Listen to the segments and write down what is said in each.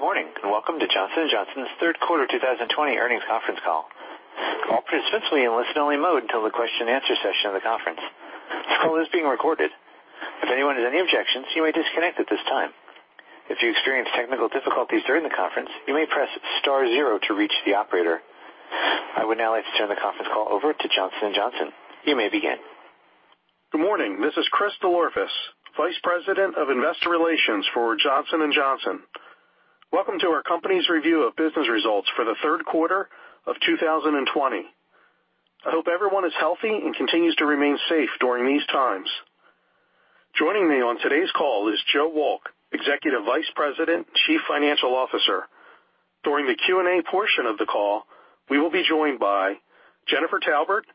I would now like to turn the conference call over to Johnson & Johnson. You may begin. Good morning. This is Chris DelOrefice, Vice President of Investor Relations for Johnson & Johnson. Welcome to our company's review of business results for the third quarter of 2020. I hope everyone is healthy and continues to remain safe during these times. Joining me on today's call is Joe Wolk, Executive Vice President, Chief Financial Officer. During the Q&A portion of the call, we will be joined by Jennifer Taubert,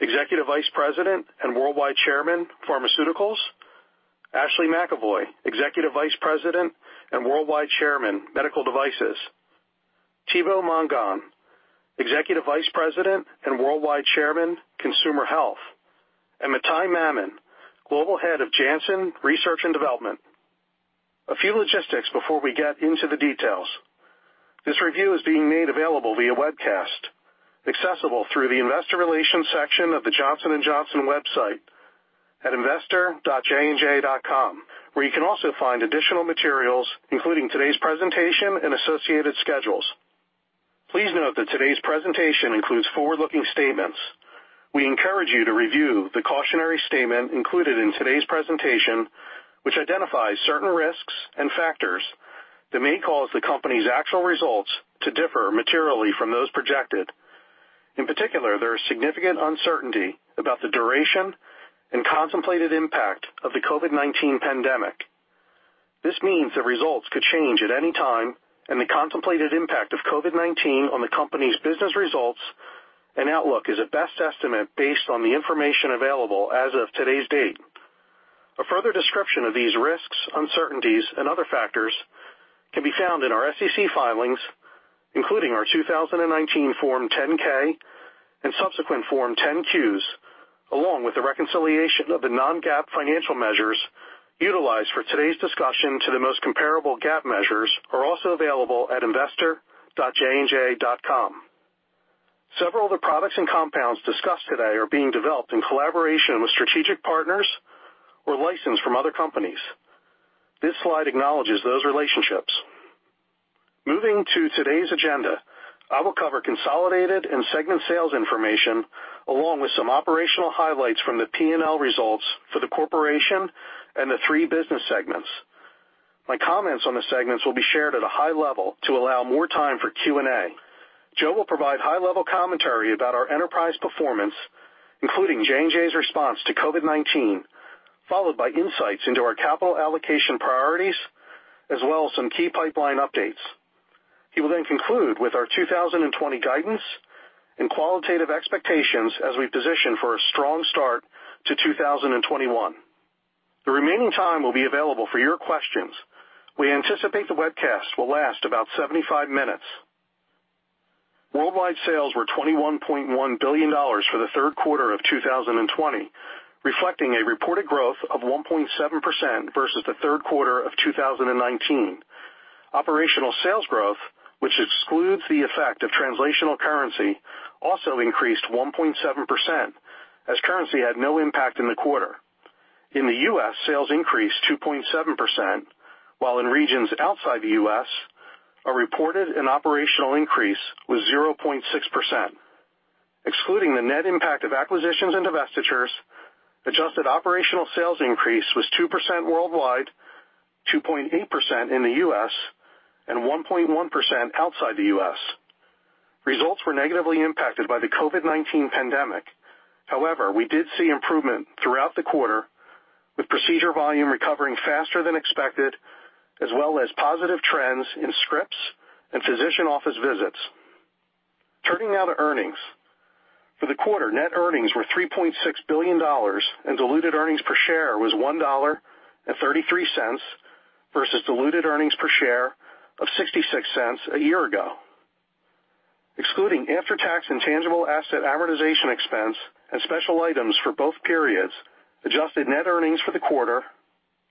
Executive Vice President and Worldwide Chairman, Pharmaceuticals, Ashley McEvoy, Executive Vice President and Worldwide Chairman, Medical Devices, Thibaut Mongon, Executive Vice President and Worldwide Chairman, Consumer Health, and Mathai Mammen, Global Head of Janssen Research & Development. A few logistics before we get into the details. This review is being made available via webcast, accessible through the investor relations section of the Johnson & Johnson website at investor.jnj.com, where you can also find additional materials, including today's presentation and associated schedules. Please note that today's presentation includes forward-looking statements. We encourage you to review the cautionary statement included in today's presentation, which identifies certain risks and factors that may cause the company's actual results to differ materially from those projected. In particular, there is significant uncertainty about the duration and contemplated impact of the COVID-19 pandemic. This means the results could change at any time, and the contemplated impact of COVID-19 on the company's business results and outlook is a best estimate based on the information available as of today's date. A further description of these risks, uncertainties, and other factors can be found in our SEC filings, including our 2019 Form 10-K and subsequent Form 10-Qs, along with the reconciliation of the non-GAAP financial measures utilized for today's discussion to the most comparable GAAP measures are also available at investor.jnj.com. Several of the products and compounds discussed today are being developed in collaboration with strategic partners or licensed from other companies. This slide acknowledges those relationships. Moving to today's agenda, I will cover consolidated and segment sales information along with some operational highlights from the P&L results for the corporation and the three business segments. My comments on the segments will be shared at a high level to allow more time for Q&A. Joe will provide high-level commentary about our enterprise performance, including J&J's response to COVID-19, followed by insights into our capital allocation priorities, as well as some key pipeline updates. He will then conclude with our 2020 guidance and qualitative expectations as we position for a strong start to 2021. The remaining time will be available for your questions. We anticipate the webcast will last about 75 minutes. Worldwide sales were $21.1 billion for the third quarter of 2020, reflecting a reported growth of 1.7% versus the third quarter of 2019. Operational sales growth, which excludes the effect of translational currency, also increased 1.7% as currency had no impact in the quarter. In the U.S., sales increased 2.7%, while in regions outside the U.S., a reported and operational increase was 0.6%. Excluding the net impact of acquisitions and divestitures, adjusted operational sales increase was 2% worldwide, 2.8% in the U.S., and 1.1% outside the U.S. Results were negatively impacted by the COVID-19 pandemic. We did see improvement throughout the quarter, with procedure volume recovering faster than expected, as well as positive trends in scripts and physician office visits. Turning now to earnings. For the quarter, net earnings were $3.6 billion and diluted earnings per share was $1.33 versus diluted earnings per share of $0.66 a year ago. Excluding after-tax intangible asset amortization expense and special items for both periods, adjusted net earnings for the quarter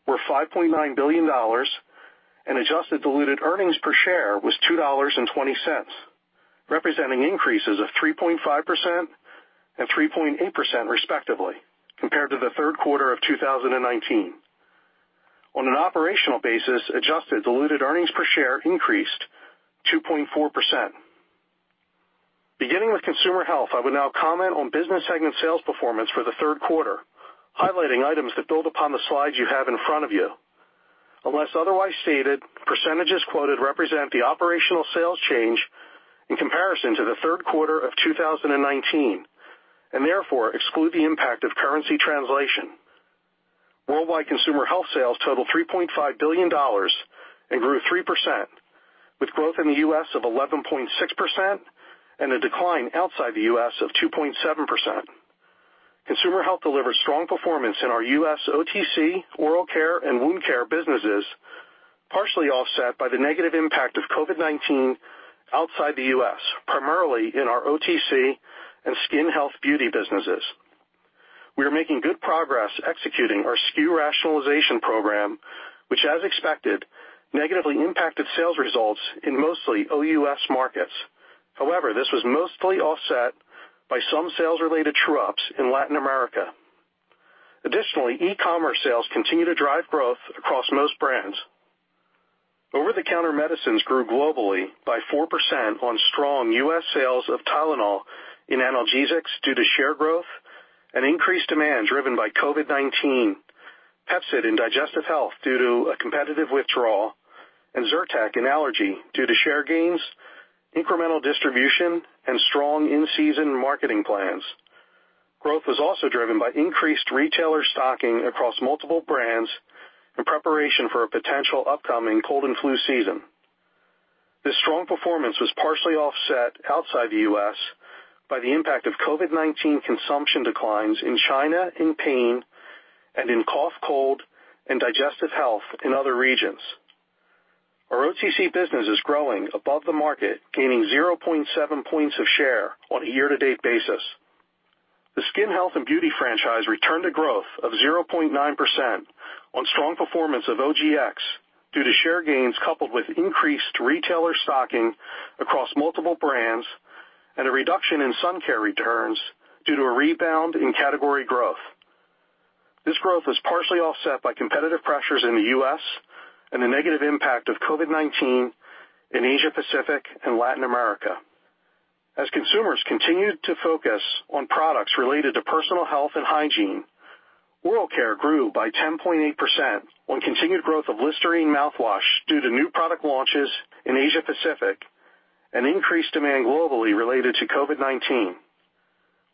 were $5.9 billion and adjusted diluted earnings per share was $2.20, representing increases of 3.5% and 3.8% respectively, compared to the third quarter of 2019. On an operational basis, adjusted diluted earnings per share increased 2.4%. Beginning with Consumer Health, I will now comment on business segment sales performance for the third quarter, highlighting items that build upon the slides you have in front of you. Unless otherwise stated, percentages quoted represent the operational sales change in comparison to the third quarter of 2019, and therefore exclude the impact of currency translation. Worldwide Consumer Health sales totaled $3.5 billion and grew 3%, with growth in the U.S. of 11.6% and a decline outside the U.S. of 2.7%. Consumer Health delivered strong performance in our U.S. OTC, oral care, and wound care businesses, partially offset by the negative impact of COVID-19 outside the U.S., primarily in our OTC and skin health beauty businesses. We are making good progress executing our SKU rationalization program, which, as expected, negatively impacted sales results in mostly OUS markets. This was mostly offset by some sales-related true-ups in Latin America. Additionally, e-commerce sales continue to drive growth across most brands. Over-the-counter medicines grew globally by 4% on strong U.S. sales of TYLENOL in analgesics due to share growth and increased demand driven by COVID-19, PEPCID in digestive health due to a competitive withdrawal, and ZYRTEC in allergy due to share gains, incremental distribution, and strong in-season marketing plans. Growth was also driven by increased retailer stocking across multiple brands in preparation for a potential upcoming cold and flu season. This strong performance was partially offset outside the U.S. by the impact of COVID-19 consumption declines in China in pain, and in cough, cold, and digestive health in other regions. Our OTC business is growing above the market, gaining 0.7 points of share on a year-to-date basis. The skin health and beauty franchise returned to growth of 0.9% on strong performance of OGX due to share gains coupled with increased retailer stocking across multiple brands, and a reduction in sun care returns due to a rebound in category growth. This growth was partially offset by competitive pressures in the U.S. and the negative impact of COVID-19 in Asia Pacific and Latin America. As consumers continued to focus on products related to personal health and hygiene, oral care grew by 10.8% on continued growth of LISTERINE mouthwash due to new product launches in Asia Pacific and increased demand globally related to COVID-19.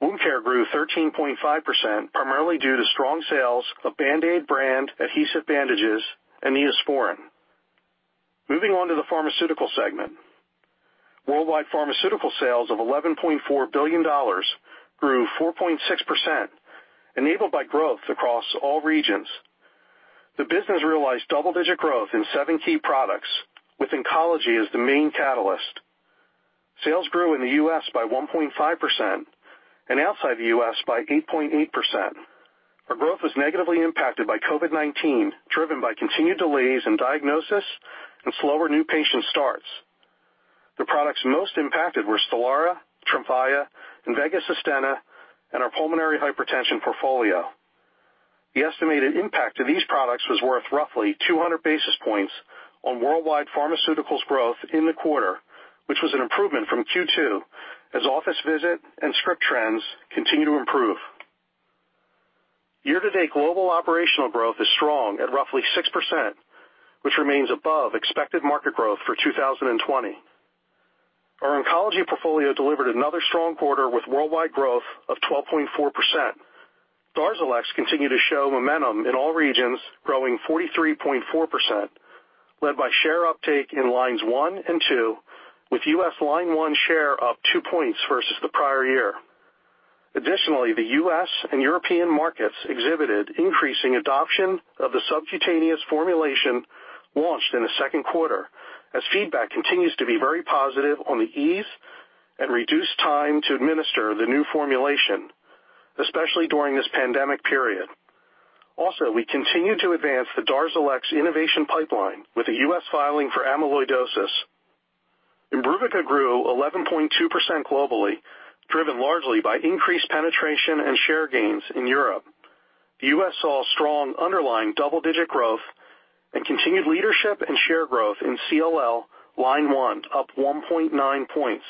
Wound care grew 13.5%, primarily due to strong sales of BAND-AID brand adhesive bandages and NEOSPORIN. Moving on to the pharmaceutical segment. Worldwide pharmaceutical sales of $11.4 billion grew 4.6%, enabled by growth across all regions. The business realized double-digit growth in seven key products, with oncology as the main catalyst. Sales grew in the U.S. by 1.5% and outside the U.S. by 8.8%. Our growth was negatively impacted by COVID-19, driven by continued delays in diagnosis and slower new patient starts. The products most impacted were STELARA, TREMFYA, INVEGA SUSTENNA, and our pulmonary hypertension portfolio. The estimated impact of these products was worth roughly 200 basis points on worldwide pharmaceuticals growth in the quarter, which was an improvement from Q2 as office visit and script trends continue to improve. Year-to-date global operational growth is strong at roughly 6%, which remains above expected market growth for 2020. Our oncology portfolio delivered another strong quarter with worldwide growth of 12.4%. DARZALEX continued to show momentum in all regions, growing 43.4%, led by share uptake in lines one and two, with U.S. line one share up 2 points versus the prior year. Additionally, the U.S. and European markets exhibited increasing adoption of the subcutaneous formulation launched in the second quarter, as feedback continues to be very positive on the ease and reduced time to administer the new formulation, especially during this pandemic period. Also, we continued to advance the DARZALEX innovation pipeline with a U.S. filing for amyloidosis. IMBRUVICA grew 11.2% globally, driven largely by increased penetration and share gains in Europe. The U.S. saw strong underlying double-digit growth and continued leadership and share growth in CLL line one, up 1.9 points.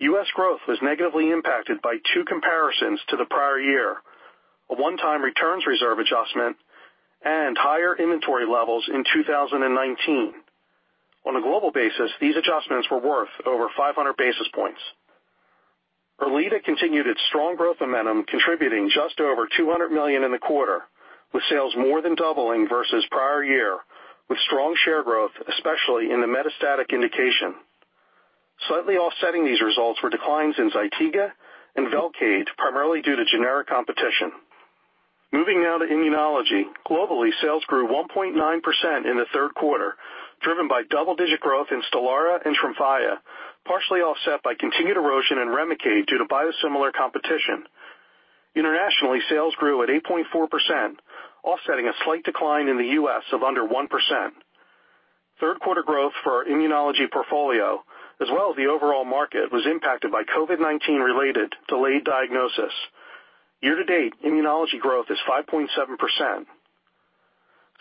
U.S. growth was negatively impacted by two comparisons to the prior year, a one-time returns reserve adjustment, and higher inventory levels in 2019. On a global basis, these adjustments were worth over 500 basis points. ERLEADA continued its strong growth momentum, contributing just over $200 million in the quarter, with sales more than doubling versus prior year, with strong share growth, especially in the metastatic indication. Slightly offsetting these results were declines in ZYTIGA and VELCADE, primarily due to generic competition. Moving now to immunology. Globally, sales grew 1.9% in the third quarter, driven by double-digit growth in STELARA and TREMFYA, partially offset by continued erosion in REMICADE due to biosimilar competition. Internationally, sales grew at 8.4%, offsetting a slight decline in the U.S. of under 1%. Third quarter growth for our immunology portfolio, as well as the overall market, was impacted by COVID-19 related delayed diagnosis. Year to date, immunology growth is 5.7%.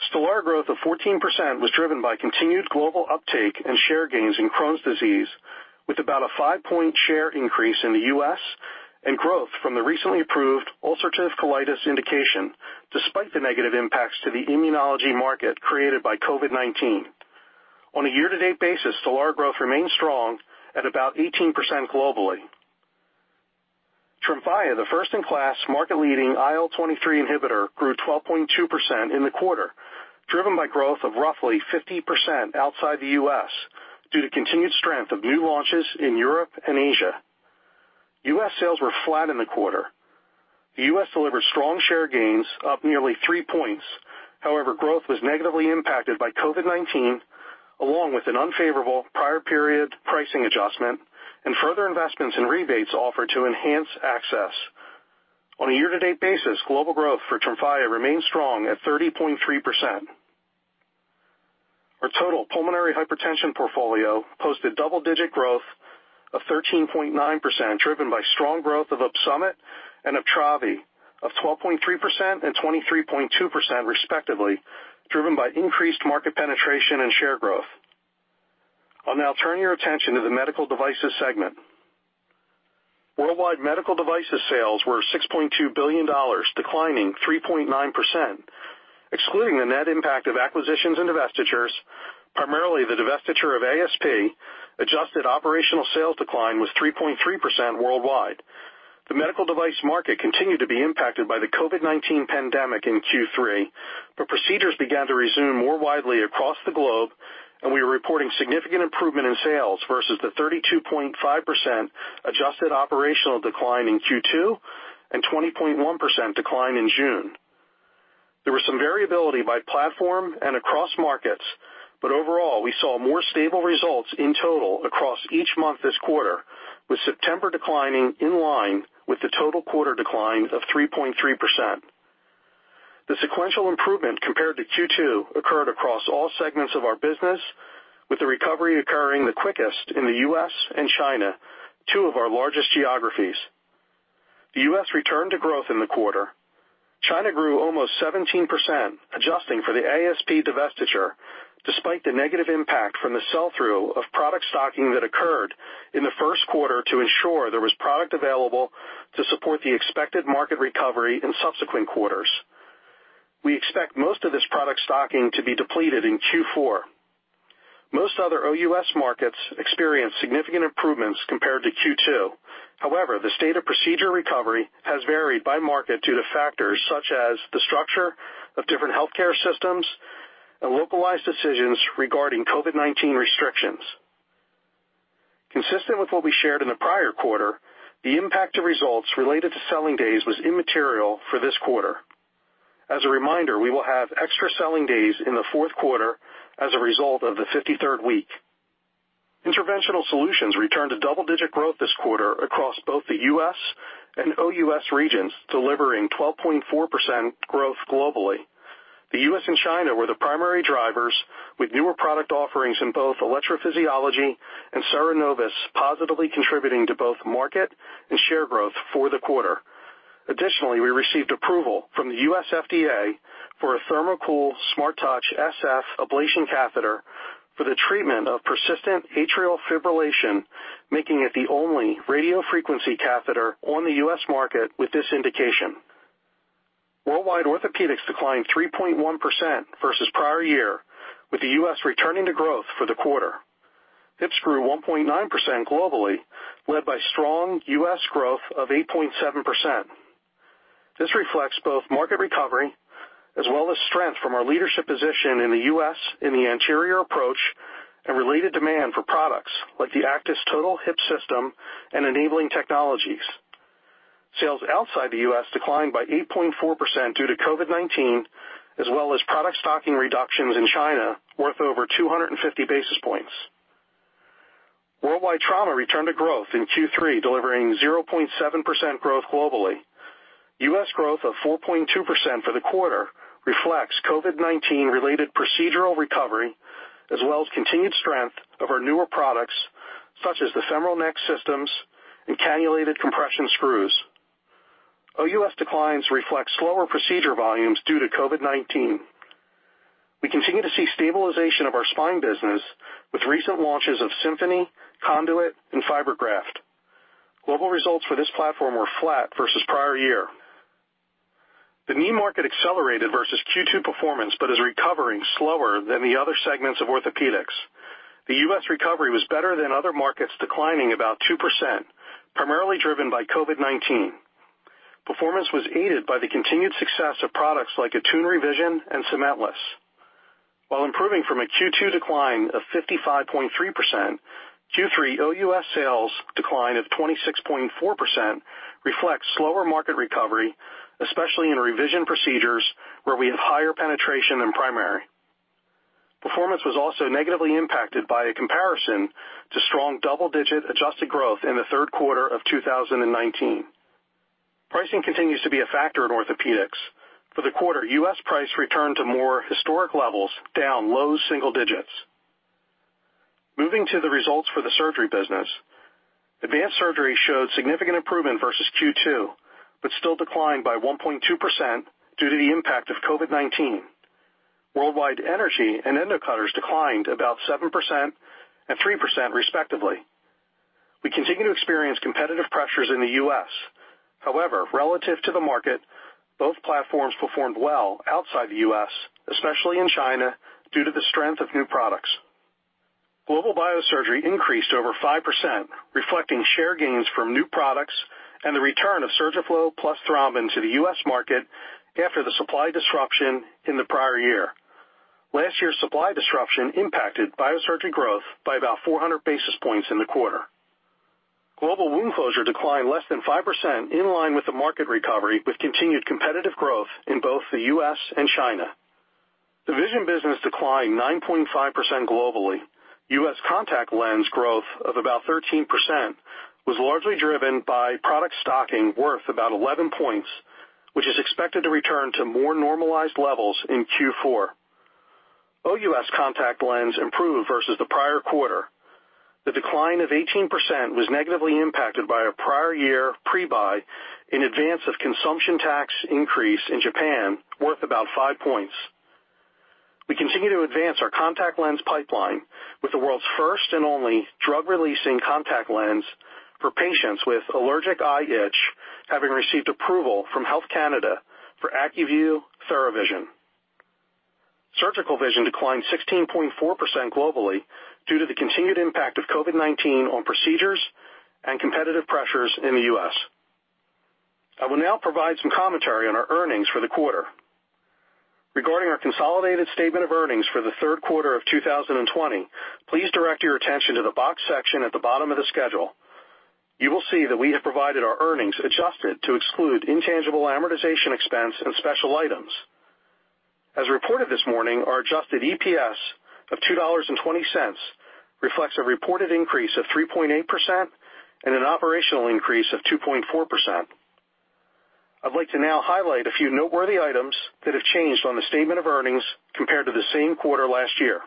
STELARA growth of 14% was driven by continued global uptake and share gains in Crohn's disease, with about a five-point share increase in the U.S. and growth from the recently approved ulcerative colitis indication, despite the negative impacts to the immunology market created by COVID-19. On a year-to-date basis, STELARA growth remains strong at about 18% globally. TREMFYA, the first-in-class market-leading IL-23 inhibitor, grew 12.2% in the quarter, driven by growth of roughly 50% outside the U.S. due to continued strength of new launches in Europe and Asia. U.S. sales were flat in the quarter. The U.S. delivered strong share gains, up nearly three points. Growth was negatively impacted by COVID-19 along with an unfavorable prior period pricing adjustment and further investments in rebates offered to enhance access. On a year-to-date basis, global growth for TREMFYA remains strong at 30.3%. Our total pulmonary hypertension portfolio posted double-digit growth of 13.9%, driven by strong growth of OPSUMIT and UPTRAVI of 12.3% and 23.2%, respectively, driven by increased market penetration and share growth. I'll now turn your attention to the Medical Devices segment. Worldwide Medical Devices sales were $6.2 billion, declining 3.9%. Excluding the net impact of acquisitions and divestitures, primarily the divestiture of ASP, adjusted operational sales decline was 3.3% worldwide. The medical device market continued to be impacted by the COVID-19 pandemic in Q3. Procedures began to resume more widely across the globe, and we were reporting significant improvement in sales versus the 32.5% adjusted operational decline in Q2 and 20.1% decline in June. There was some variability by platform and across markets. Overall, we saw more stable results in total across each month this quarter, with September declining in line with the total quarter decline of 3.3%. The sequential improvement compared to Q2 occurred across all segments of our business, with the recovery occurring the quickest in the U.S. and China, two of our largest geographies. The U.S. returned to growth in the quarter. China grew almost 17%, adjusting for the ASP divestiture, despite the negative impact from the sell-through of product stocking that occurred in the first quarter to ensure there was product available to support the expected market recovery in subsequent quarters. We expect most of this product stocking to be depleted in Q4. Most other OUS markets experienced significant improvements compared to Q2. However, the state of procedure recovery has varied by market due to factors such as the structure of different healthcare systems and localized decisions regarding COVID-19 restrictions. Consistent with what we shared in the prior quarter, the impact to results related to selling days was immaterial for this quarter. As a reminder, we will have extra selling days in the fourth quarter as a result of the 53rd week. Interventional Solutions returned to double-digit growth this quarter across both the U.S. and OUS regions, delivering 12.4% growth globally. The U.S. and China were the primary drivers, with newer product offerings in both electrophysiology and CERENOVUS positively contributing to both market and share growth for the quarter. Additionally, we received approval from the U.S. FDA for a THERMOCOOL SMARTTOUCH SF ablation catheter for the treatment of persistent atrial fibrillation, making it the only radiofrequency catheter on the U.S. market with this indication. Worldwide orthopedics declined 3.1% versus prior year, with the U.S. returning to growth for the quarter. Hips grew 1.9% globally, led by strong U.S. growth of 8.7%. This reflects both market recovery as well as strength from our leadership position in the U.S. in the anterior approach and related demand for products like the ACTIS total hip system and enabling technologies. Sales outside the U.S. declined by 8.4% due to COVID-19, as well as product stocking reductions in China worth over 250 basis points. Worldwide trauma returned to growth in Q3, delivering 0.7% growth globally. U.S. growth of 4.2% for the quarter reflects COVID-19-related procedural recovery, as well as continued strength of our newer products, such as the femoral neck systems and cannulated compression screws. OUS declines reflect slower procedure volumes due to COVID-19. We continue to see stabilization of our spine business with recent launches of SYMPHONY, CONDUIT, and FIBERGRAFT. Global results for this platform were flat versus prior year. The knee market accelerated versus Q2 performance but is recovering slower than the other segments of orthopedics. The U.S. recovery was better than other markets, declining about 2%, primarily driven by COVID-19. Performance was aided by the continued success of products like ATTUNE Revision and Cementless. While improving from a Q2 decline of 55.3%, Q3 OUS sales decline of 26.4% reflects slower market recovery, especially in revision procedures where we have higher penetration than primary. Performance was also negatively impacted by a comparison to strong double-digit adjusted growth in the third quarter of 2019. Pricing continues to be a factor in orthopedics. For the quarter, U.S. price returned to more historic levels, down low single digits. Moving to the results for the surgery business. Advanced Surgery showed significant improvement versus Q2, but still declined by 1.2% due to the impact of COVID-19. Worldwide energy and endocutters declined about 7% and 3%, respectively. We continue to experience competitive pressures in the U.S. However, relative to the market, both platforms performed well outside the U.S., especially in China, due to the strength of new products. Global Biosurgery increased over 5%, reflecting share gains from new products and the return of SURGIFLO plus thrombin to the U.S. market after the supply disruption in the prior year. Last year's supply disruption impacted Biosurgery growth by about 400 basis points in the quarter. Global Wound Closure declined less than 5% in line with the market recovery, with continued competitive growth in both the U.S. and China. The Vision business declined 9.5% globally. U.S. contact lens growth of about 13% was largely driven by product stocking worth about 11 points, which is expected to return to more normalized levels in Q4. OUS contact lens improved versus the prior quarter. The decline of 18% was negatively impacted by a prior year pre-buy in advance of consumption tax increase in Japan worth about five points. We continue to advance our contact lens pipeline with the world's first and only drug-releasing contact lens for patients with allergic eye itch, having received approval from Health Canada for ACUVUE Theravision. Surgical vision declined 16.4% globally due to the continued impact of COVID-19 on procedures and competitive pressures in the U.S. I will now provide some commentary on our earnings for the quarter. Regarding our consolidated statement of earnings for the third quarter of 2020, please direct your attention to the box section at the bottom of the schedule. You will see that we have provided our earnings adjusted to exclude intangible amortization expense and special items. As reported this morning, our adjusted EPS of $2.20 reflects a reported increase of 3.8% and an operational increase of 2.4%. I'd like to now highlight a few noteworthy items that have changed on the statement of earnings compared to the same quarter last year.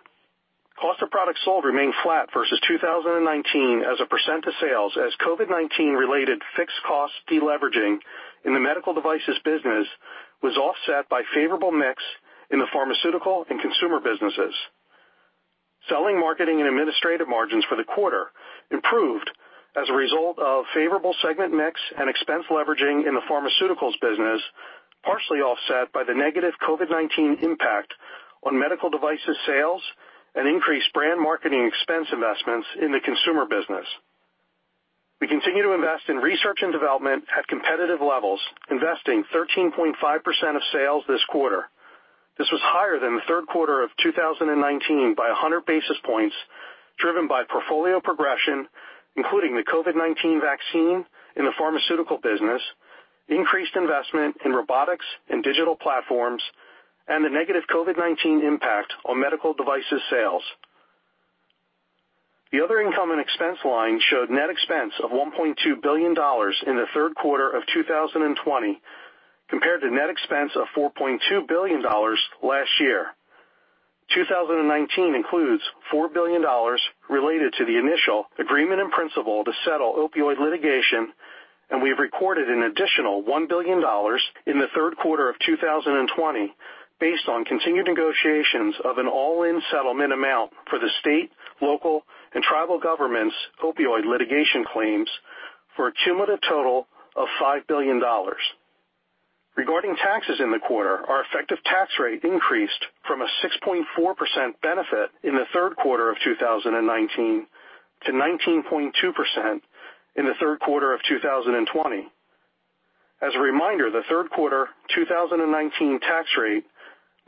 Cost of products sold remained flat versus 2019 as a percent of sales as COVID-19 related fixed cost deleveraging in the Medical Devices business was offset by favorable mix in the Pharmaceuticals and Consumer businesses. Selling, marketing, and administrative margins for the quarter improved as a result of favorable segment mix and expense leveraging in the Pharmaceuticals business, partially offset by the negative COVID-19 impact on Medical Devices sales and increased brand marketing expense investments in the Consumer business. We continue to invest in research and development at competitive levels, investing 13.5% of sales this quarter. This was higher than the third quarter of 2019 by 100 basis points, driven by portfolio progression, including the COVID-19 vaccine in the Pharmaceutical business, increased investment in robotics and digital platforms, and the negative COVID-19 impact on Medical Devices sales. The other income and expense line showed net expense of $1.2 billion in the third quarter of 2020 compared to net expense of $4.2 billion last year. 2019 includes $4 billion related to the initial agreement in principle to settle opioid litigation, and we've recorded an additional $1 billion in the third quarter of 2020 based on continued negotiations of an all-in settlement amount for the state, local, and tribal governments' opioid litigation claims for a cumulative total of $5 billion. Regarding taxes in the quarter, our effective tax rate increased from a 6.4% benefit in the third quarter of 2019 to 19.2% in the third quarter of 2020. As a reminder, the third quarter 2019 tax rate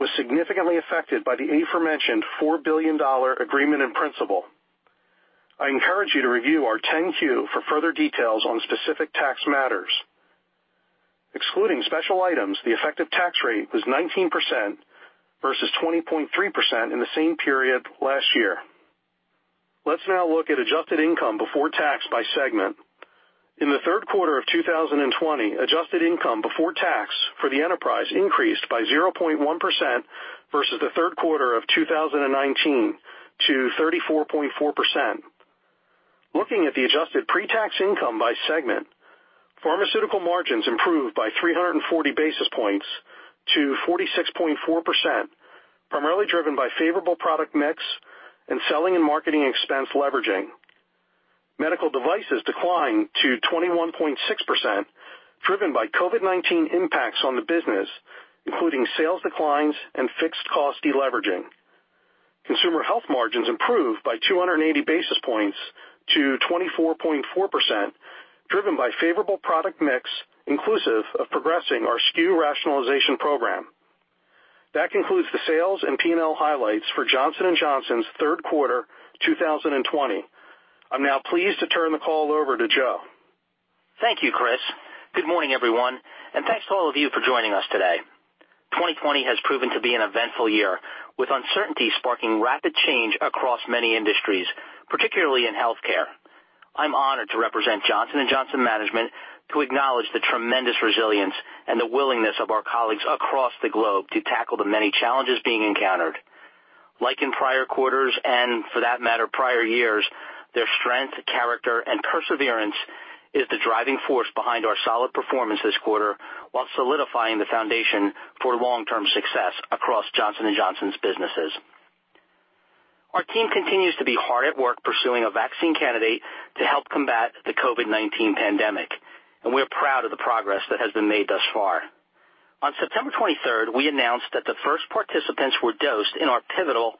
was significantly affected by the aforementioned $4 billion agreement in principle. I encourage you to review our 10-Q for further details on specific tax matters. Excluding special items, the effective tax rate was 19% versus 20.3% in the same period last year. Let's now look at adjusted income before tax by segment. In the third quarter of 2020, adjusted income before tax for the enterprise increased by 0.1% versus the third quarter of 2019 to 34.4%. Looking at the adjusted pre-tax income by segment, Pharmaceuticals margins improved by 340 basis points to 46.4%, primarily driven by favorable product mix and selling and marketing expense leveraging. Medical Devices declined to 21.6%, driven by COVID-19 impacts on the business, including sales declines and fixed cost deleveraging. Consumer Health margins improved by 280 basis points to 24.4%, driven by favorable product mix, inclusive of progressing our SKU rationalization program. That concludes the sales and P&L highlights for Johnson & Johnson's third quarter 2020. I'm now pleased to turn the call over to Joe. Thank you, Chris. Good morning, everyone, and thanks to all of you for joining us today. 2020 has proven to be an eventful year, with uncertainty sparking rapid change across many industries, particularly in healthcare. I'm honored to represent Johnson & Johnson Management to acknowledge the tremendous resilience and the willingness of our colleagues across the globe to tackle the many challenges being encountered. Like in prior quarters, and for that matter, prior years, their strength, character, and perseverance is the driving force behind our solid performance this quarter while solidifying the foundation for long-term success across Johnson & Johnson's businesses. Our team continues to be hard at work pursuing a vaccine candidate to help combat the COVID-19 pandemic, and we're proud of the progress that has been made thus far. On September 23rd, we announced that the first participants were dosed in our pivotal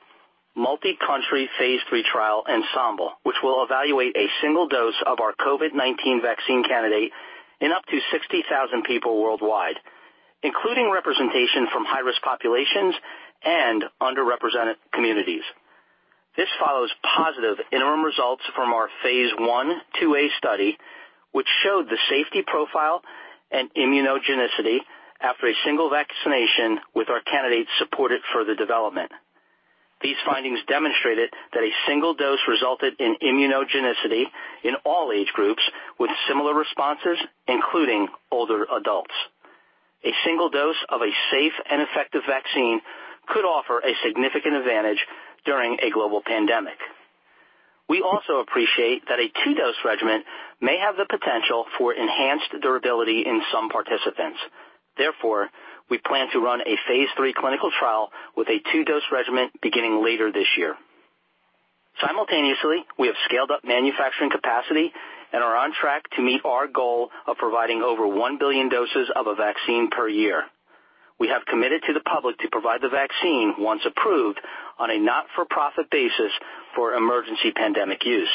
multi-country phase III trial ENSEMBLE, which will evaluate a single dose of our COVID-19 vaccine candidate in up to 60,000 people worldwide, including representation from high-risk populations and underrepresented communities. This follows positive interim results from our phase I/II-A study, which showed the safety profile and immunogenicity after a single vaccination with our candidate supported further development. These findings demonstrated that a single dose resulted in immunogenicity in all age groups with similar responses, including older adults. A single dose of a safe and effective vaccine could offer a significant advantage during a global pandemic. We also appreciate that a two-dose regimen may have the potential for enhanced durability in some participants. Therefore, we plan to run a phase III clinical trial with a two-dose regimen beginning later this year. Simultaneously, we have scaled up manufacturing capacity and are on track to meet our goal of providing over 1 billion doses of a vaccine per year. We have committed to the public to provide the vaccine once approved on a not-for-profit basis for emergency pandemic use.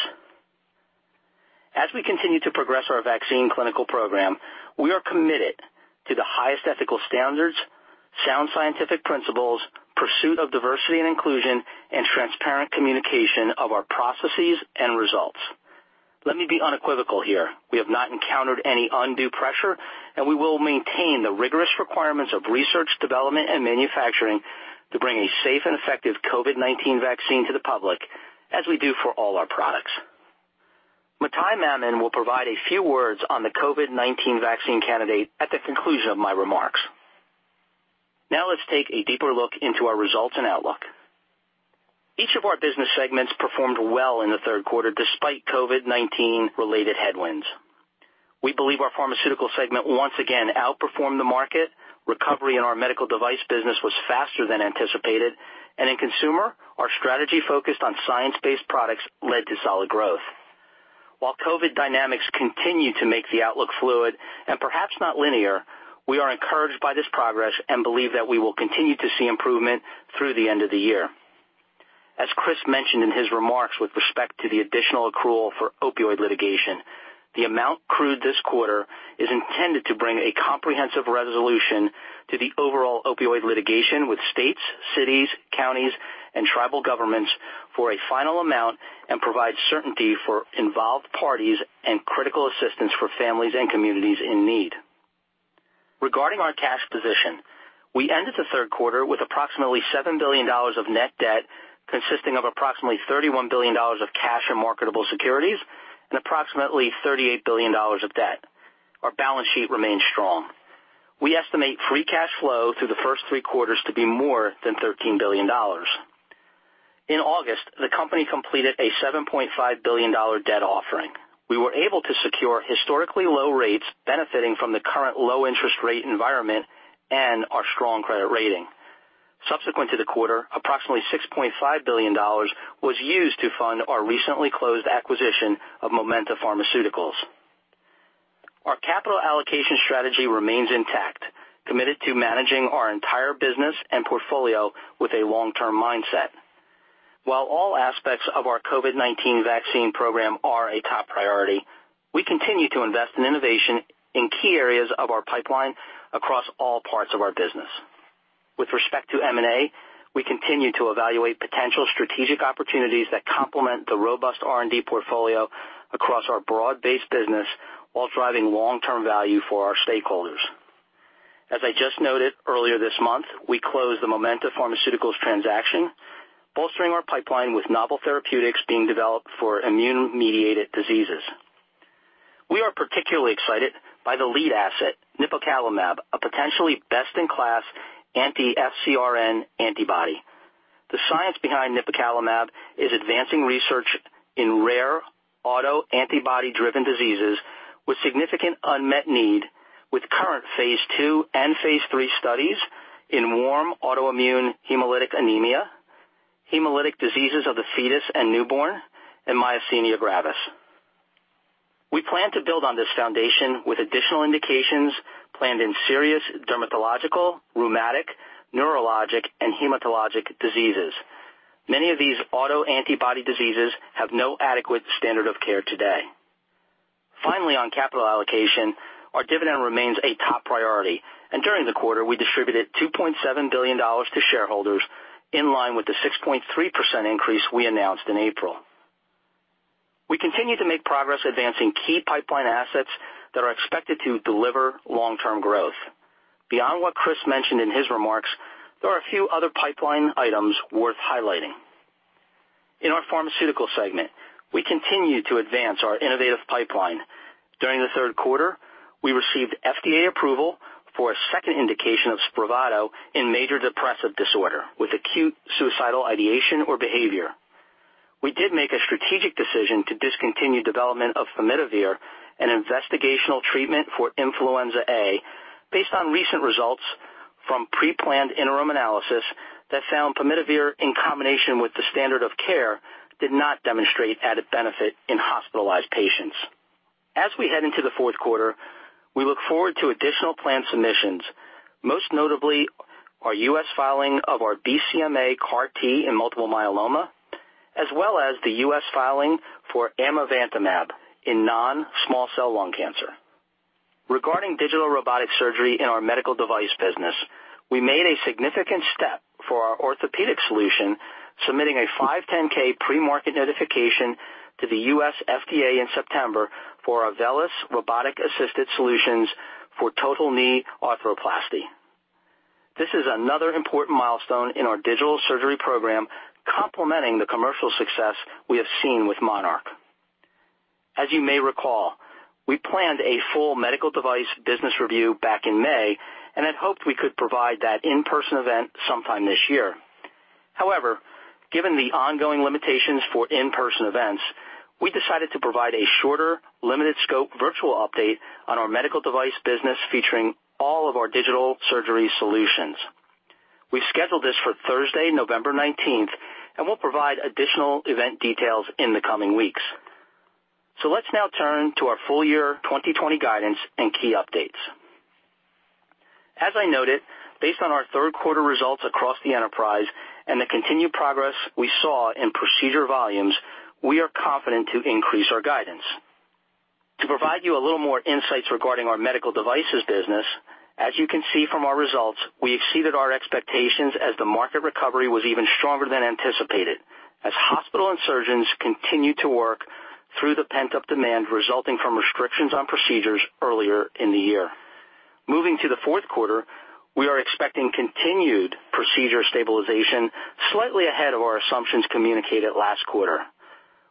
As we continue to progress our vaccine clinical program, we are committed to the highest ethical standards, sound scientific principles, pursuit of diversity and inclusion, and transparent communication of our processes and results. Let me be unequivocal here. We have not encountered any undue pressure, and we will maintain the rigorous requirements of research, development, and manufacturing to bring a safe and effective COVID-19 vaccine to the public as we do for all our products. Mathai Mammen will provide a few words on the COVID-19 vaccine candidate at the conclusion of my remarks. Now let's take a deeper look into our results and outlook. Each of our business segments performed well in the third quarter, despite COVID-19 related headwinds. We believe our pharmaceutical segment once again outperformed the market. Recovery in our medical device business was faster than anticipated. In consumer, our strategy focused on science-based products led to solid growth. While COVID dynamics continue to make the outlook fluid and perhaps not linear, we are encouraged by this progress and believe that we will continue to see improvement through the end of the year. As Chris mentioned in his remarks with respect to the additional accrual for opioid litigation, the amount accrued this quarter is intended to bring a comprehensive resolution to the overall opioid litigation with states, cities, counties, and tribal governments for a final amount and provide certainty for involved parties and critical assistance for families and communities in need. Regarding our cash position, we ended the third quarter with approximately $7 billion of net debt, consisting of approximately $31 billion of cash and marketable securities and approximately $38 billion of debt. Our balance sheet remains strong. We estimate free cash flow through the first three quarters to be more than $13 billion. In August, the company completed a $7.5 billion debt offering. We were able to secure historically low rates, benefiting from the current low-interest rate environment and our strong credit rating. Subsequent to the quarter, approximately $6.5 billion was used to fund our recently closed acquisition of Momenta Pharmaceuticals. Our capital allocation strategy remains intact, committed to managing our entire business and portfolio with a long-term mindset. While all aspects of our COVID-19 vaccine program are a top priority, we continue to invest in innovation in key areas of our pipeline across all parts of our business. With respect to M&A, we continue to evaluate potential strategic opportunities that complement the robust R&D portfolio across our broad-based business while driving long-term value for our stakeholders. As I just noted earlier this month, we closed the Momenta Pharmaceuticals transaction, bolstering our pipeline with novel therapeutics being developed for immune-mediated diseases. We are particularly excited by the lead asset, nipocalimab, a potentially best-in-class anti-FcRn antibody. The science behind nipocalimab is advancing research in rare autoantibody-driven diseases with significant unmet need with current phase II and phase III studies in warm autoimmune hemolytic anemia, hemolytic diseases of the fetus and newborn, and myasthenia gravis. We plan to build on this foundation with additional indications planned in serious dermatological, rheumatic, neurologic, and hematologic diseases. Many of these autoantibody diseases have no adequate standard of care today. On capital allocation, our dividend remains a top priority, and during the quarter, we distributed $2.7 billion to shareholders, in line with the 6.3% increase we announced in April. We continue to make progress advancing key pipeline assets that are expected to deliver long-term growth. Beyond what Chris mentioned in his remarks, there are a few other pipeline items worth highlighting. In our Pharmaceutical segment, we continue to advance our innovative pipeline. During the third quarter, we received FDA approval for a second indication of SPRAVATO in major depressive disorder with acute suicidal ideation or behavior. We did make a strategic decision to discontinue development of pimodivir, an investigational treatment for influenza A, based on recent results from pre-planned interim analysis that found pimodivir in combination with the standard of care did not demonstrate added benefit in hospitalized patients. As we head into the fourth quarter, we look forward to additional planned submissions, most notably our U.S. filing of our BCMA CAR-T in multiple myeloma. As well as the U.S. filing for amivantamab in non-small cell lung cancer. Regarding digital robotic surgery in our medical device business, we made a significant step for our orthopedic solution, submitting a 510 pre-market notification to the U.S. FDA in September for our VELYS robotic-assisted solutions for total knee arthroplasty. This is another important milestone in our digital surgery program, complementing the commercial success we have seen with Monarch. As you may recall, we planned a full medical device business review back in May and had hoped we could provide that in-person event sometime this year. However, given the ongoing limitations for in-person events, we decided to provide a shorter, limited scope virtual update on our Medical Devices business featuring all of our digital surgery solutions. We've scheduled this for Thursday, November 19th, and we'll provide additional event details in the coming weeks. Let's now turn to our full year 2020 guidance and key updates. As I noted, based on our third quarter results across the enterprise and the continued progress we saw in procedure volumes, we are confident to increase our guidance. To provide you a little more insights regarding our Medical Devices business, as you can see from our results, we exceeded our expectations as the market recovery was even stronger than anticipated, as hospital and surgeons continue to work through the pent-up demand resulting from restrictions on procedures earlier in the year. Moving to the fourth quarter, we are expecting continued procedure stabilization slightly ahead of our assumptions communicated last quarter.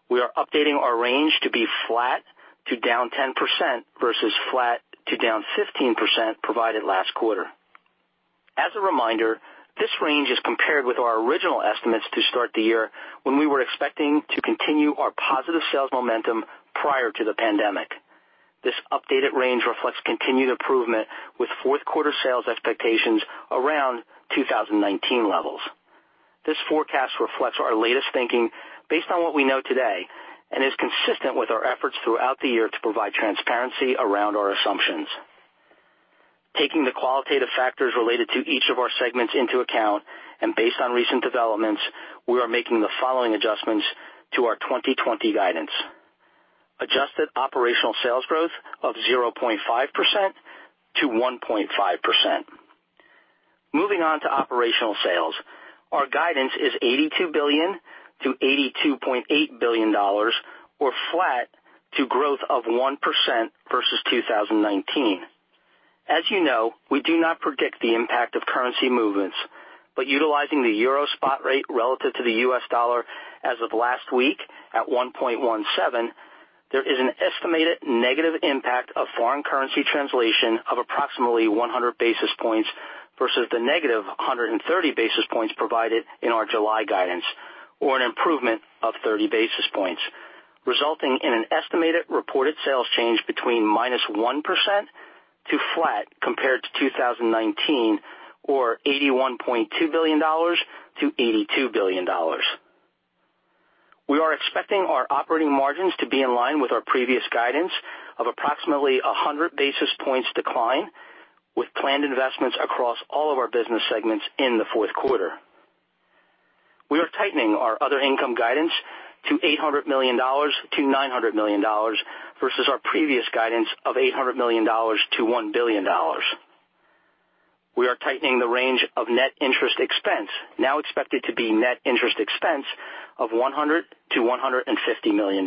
We are updating our range to be flat to down 10% versus flat to down 15% provided last quarter. As a reminder, this range is compared with our original estimates to start the year when we were expecting to continue our positive sales momentum prior to the pandemic. This updated range reflects continued improvement with fourth quarter sales expectations around 2019 levels. This forecast reflects our latest thinking based on what we know today, and is consistent with our efforts throughout the year to provide transparency around our assumptions. Taking the qualitative factors related to each of our segments into account and based on recent developments, we are making the following adjustments to our 2020 guidance. Adjusted operational sales growth of 0.5%-1.5%. Moving on to operational sales. Our guidance is $82 billion-$82.8 billion, or flat to growth of 1% versus 2019. As you know, utilizing the EUR spot rate relative to the U.S. dollar as of last week at 1.17, there is an estimated negative impact of foreign currency translation of approximately 100 basis points versus the -130 basis points provided in our July guidance, or an improvement of 30 basis points, resulting in an estimated reported sales change between -1% to flat compared to 2019, or $81.2 billion-$82 billion. We are expecting our operating margins to be in line with our previous guidance of approximately 100 basis points decline, with planned investments across all of our business segments in the fourth quarter. We are tightening our other income guidance to $800 million-$900 million versus our previous guidance of $800 million-$1 billion. We are tightening the range of net interest expense, now expected to be net interest expense of $100 million-$150 million.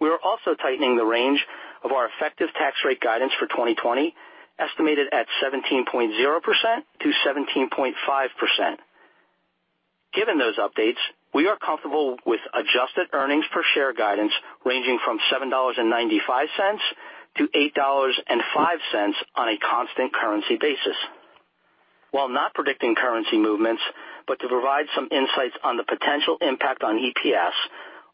We are also tightening the range of our effective tax rate guidance for 2020, estimated at 17.0%-17.5%. Given those updates, we are comfortable with adjusted earnings per share guidance ranging from $7.95-$8.05 on a constant currency basis. While not predicting currency movements, but to provide some insights on the potential impact on EPS,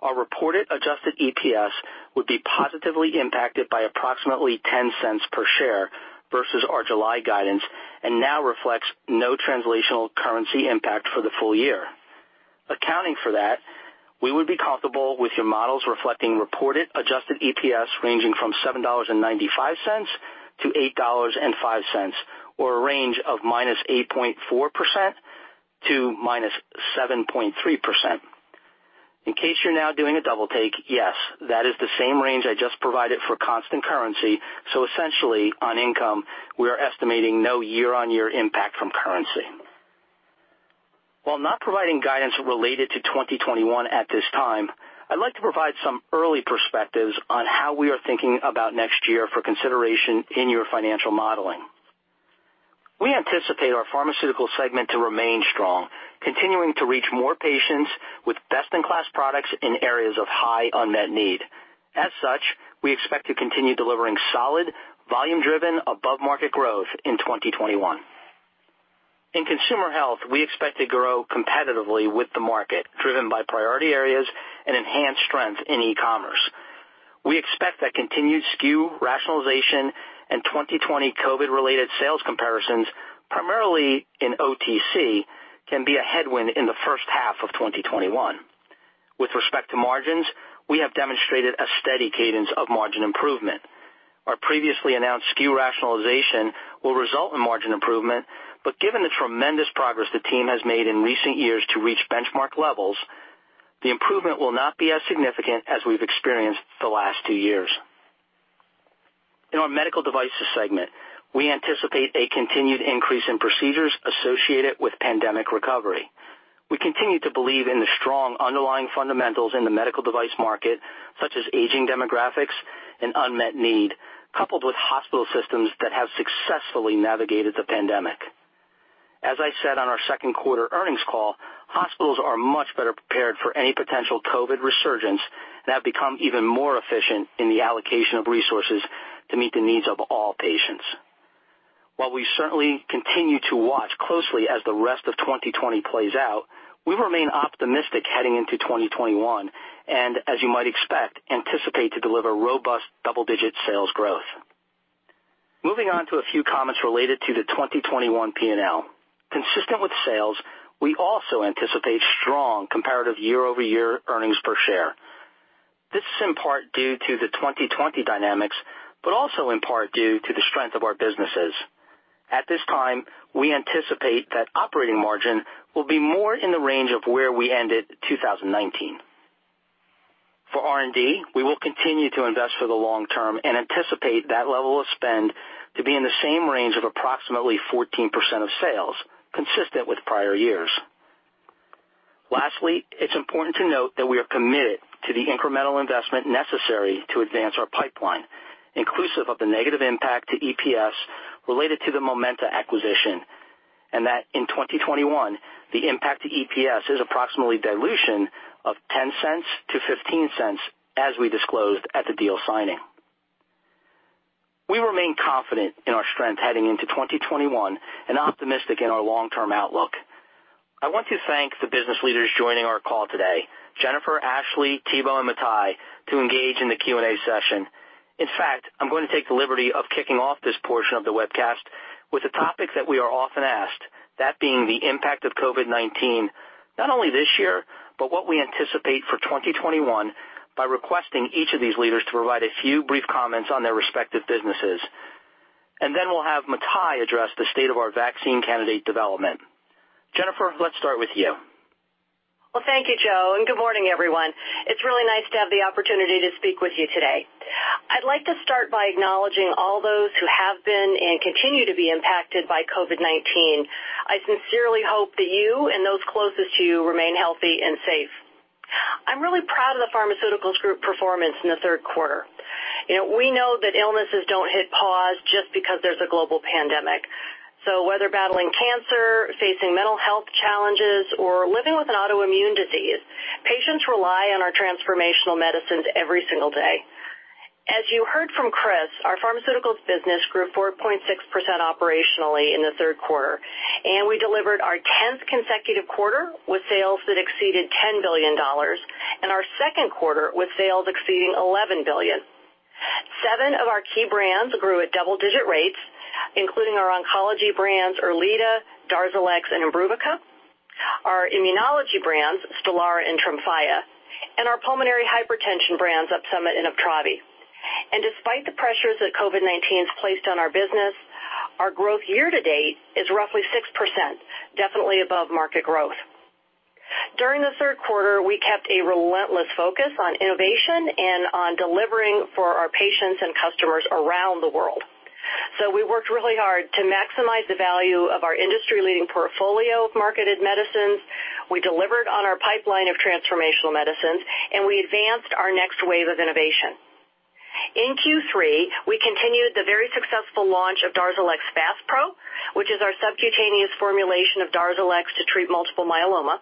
our reported adjusted EPS would be positively impacted by approximately $0.10 per share versus our July guidance, and now reflects no translational currency impact for the full year. Accounting for that, we would be comfortable with your models reflecting reported adjusted EPS ranging from $7.95-$8.05, or a range of -8.4% to -7.3%. In case you're now doing a double take, yes, that is the same range I just provided for constant currency. Essentially, on income, we are estimating no year-on-year impact from currency. While not providing guidance related to 2021 at this time, I'd like to provide some early perspectives on how we are thinking about next year for consideration in your financial modeling. We anticipate our Pharmaceuticals segment to remain strong, continuing to reach more patients with best-in-class products in areas of high unmet need. As such, we expect to continue delivering solid, volume-driven above-market growth in 2021. In Consumer Health, we expect to grow competitively with the market driven by priority areas and enhanced strength in e-commerce. We expect that continued SKU rationalization and 2020 COVID-related sales comparisons, primarily in OTC, can be a headwind in the first half of 2021. With respect to margins, we have demonstrated a steady cadence of margin improvement. Our previously announced SKU rationalization will result in margin improvement, but given the tremendous progress the team has made in recent years to reach benchmark levels, the improvement will not be as significant as we've experienced the last two years. In our Medical Devices segment, we anticipate a continued increase in procedures associated with pandemic recovery. We continue to believe in the strong underlying fundamentals in the medical device market, such as aging demographics and unmet need, coupled with hospital systems that have successfully navigated the pandemic. As I said on our second quarter earnings call, hospitals are much better prepared for any potential COVID resurgence and have become even more efficient in the allocation of resources to meet the needs of all patients. While we certainly continue to watch closely as the rest of 2020 plays out, we remain optimistic heading into 2021 and, as you might expect, anticipate to deliver robust double-digit sales growth. Moving on to a few comments related to the 2021 P&L. Consistent with sales, we also anticipate strong comparative year-over-year earnings per share. This is in part due to the 2020 dynamics, but also in part due to the strength of our businesses. At this time, we anticipate that operating margin will be more in the range of where we ended 2019. For R&D, we will continue to invest for the long term and anticipate that level of spend to be in the same range of approximately 14% of sales, consistent with prior years. Lastly, it is important to note that we are committed to the incremental investment necessary to advance our pipeline, inclusive of the negative impact to EPS related to the Momenta acquisition, and that in 2021, the impact to EPS is approximately dilution of $0.10-$0.15, as we disclosed at the deal signing. We remain confident in our strength heading into 2021 and optimistic in our long-term outlook. I want to thank the business leaders joining our call today, Jennifer, Ashley, Thibaut, and Mathai, to engage in the Q&A session. In fact, I'm going to take the liberty of kicking off this portion of the webcast with a topic that we are often asked, that being the impact of COVID-19, not only this year, but what we anticipate for 2021, by requesting each of these leaders to provide a few brief comments on their respective businesses. Then we'll have Mathai address the state of our vaccine candidate development. Jennifer, let's start with you. Well, thank you, Joe. Good morning, everyone. It's really nice to have the opportunity to speak with you today. I'd like to start by acknowledging all those who have been and continue to be impacted by COVID-19. I sincerely hope that you and those closest to you remain healthy and safe. I'm really proud of the Pharmaceuticals group performance in the third quarter. We know that illnesses don't hit pause just because there's a global pandemic. Whether battling cancer, facing mental health challenges, or living with an autoimmune disease, patients rely on our transformational medicines every single day. As you heard from Chris, our Pharmaceuticals business grew 4.6% operationally in the third quarter, and we delivered our 10th consecutive quarter with sales that exceeded $10 billion and our second quarter with sales exceeding $11 billion. Seven of our key brands grew at double-digit rates, including our oncology brands, ERLEADA, DARZALEX, and IMBRUVICA, our immunology brands, STELARA and TREMFYA, and our pulmonary hypertension brands, OPSUMIT and UPTRAVI. Despite the pressures that COVID-19's placed on our business, our growth year-to-date is roughly 6%, definitely above market growth. During the third quarter, we kept a relentless focus on innovation and on delivering for our patients and customers around the world. We worked really hard to maximize the value of our industry-leading portfolio of marketed medicines, we delivered on our pipeline of transformational medicines, and we advanced our next wave of innovation. In Q3, we continued the very successful launch of DARZALEX FASPRO, which is our subcutaneous formulation of DARZALEX to treat multiple myeloma.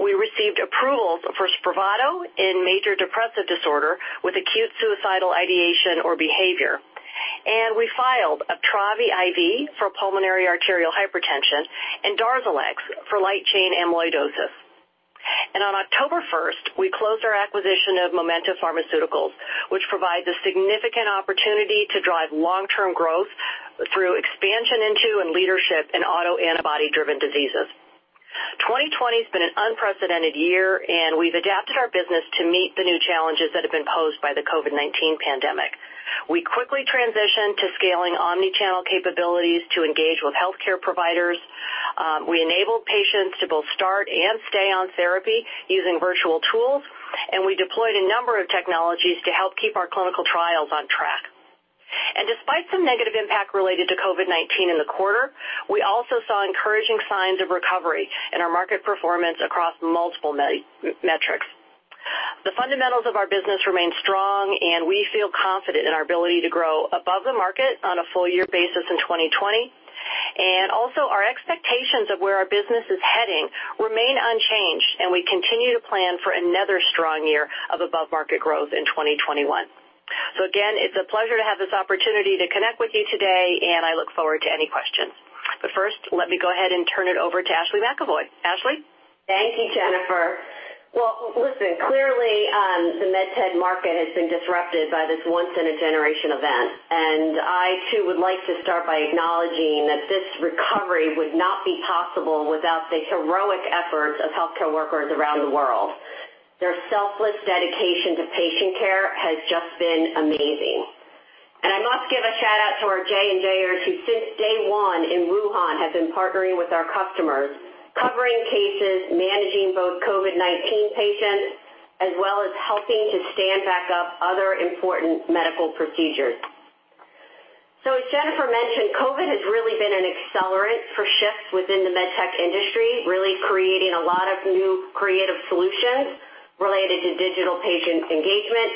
We received approvals for SPRAVATO in major depressive disorder with acute suicidal ideation or behavior. We filed UPTRAVI® IV for pulmonary arterial hypertension and DARZALEX for light chain amyloidosis. On October 1st, we closed our acquisition of Momenta Pharmaceuticals, which provides a significant opportunity to drive long-term growth through expansion into and leadership in autoantibody-driven diseases. 2020's been an unprecedented year, and we've adapted our business to meet the new challenges that have been posed by the COVID-19 pandemic. We quickly transitioned to scaling omni-channel capabilities to engage with healthcare providers, we enabled patients to both start and stay on therapy using virtual tools, and we deployed a number of technologies to help keep our clinical trials on track. Despite some negative impact related to COVID-19 in the quarter, we also saw encouraging signs of recovery in our market performance across multiple metrics. The fundamentals of our business remain strong, and we feel confident in our ability to grow above the market on a full-year basis in 2020. Also, our expectations of where our business is heading remain unchanged, and we continue to plan for another strong year of above-market growth in 2021. Again, it's a pleasure to have this opportunity to connect with you today, and I look forward to any questions. But first, let me go ahead and turn it over to Ashley McEvoy. Ashley? Thank you, Jennifer. Well, listen, clearly MedTech market has been disrupted by this once-in-a-generation event. I, too, would like to start by acknowledging that this recovery would not be possible without the heroic efforts of healthcare workers around the world. Their selfless dedication to patient care has just been amazing. I must give a shout-out to our J&Jers who since day one in Wuhan, have been partnering with our customers, covering cases, managing both COVID-19 patients, as well as helping to stand back up other important medical procedures. As Jennifer mentioned, COVID has really been an accelerant for shifts within the MedTech industry, really creating a lot of new creative solutions related to digital patient engagement,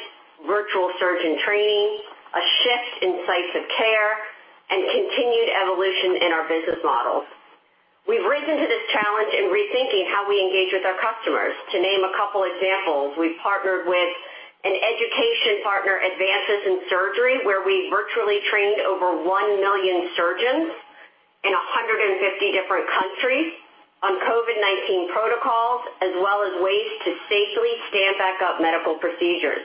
virtual surgeon training, a shift in sites of care, and continued evolution in our business models. We've risen to this challenge in rethinking how we engage with our customers. To name a couple examples, we've partnered with an education partner, Advances in Surgery, where we virtually trained over 1 million surgeons in 150 different countries on COVID-19 protocols, as well as ways to safely stand back up medical procedures.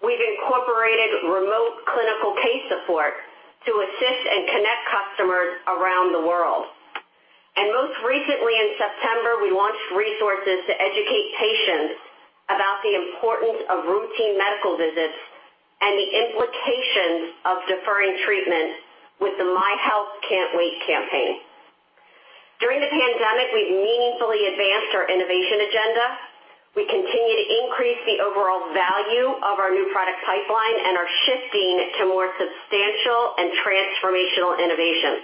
We've incorporated remote clinical case support to assist and connect customers around the world. Most recently, in September, we launched resources to educate patients about the importance of routine medical visits and the implications of deferring treatment with the My Health Can't Wait campaign. During the pandemic, we've meaningfully advanced our innovation agenda. We continue to increase the overall value of our new product pipeline and are shifting to more substantial and transformational innovations.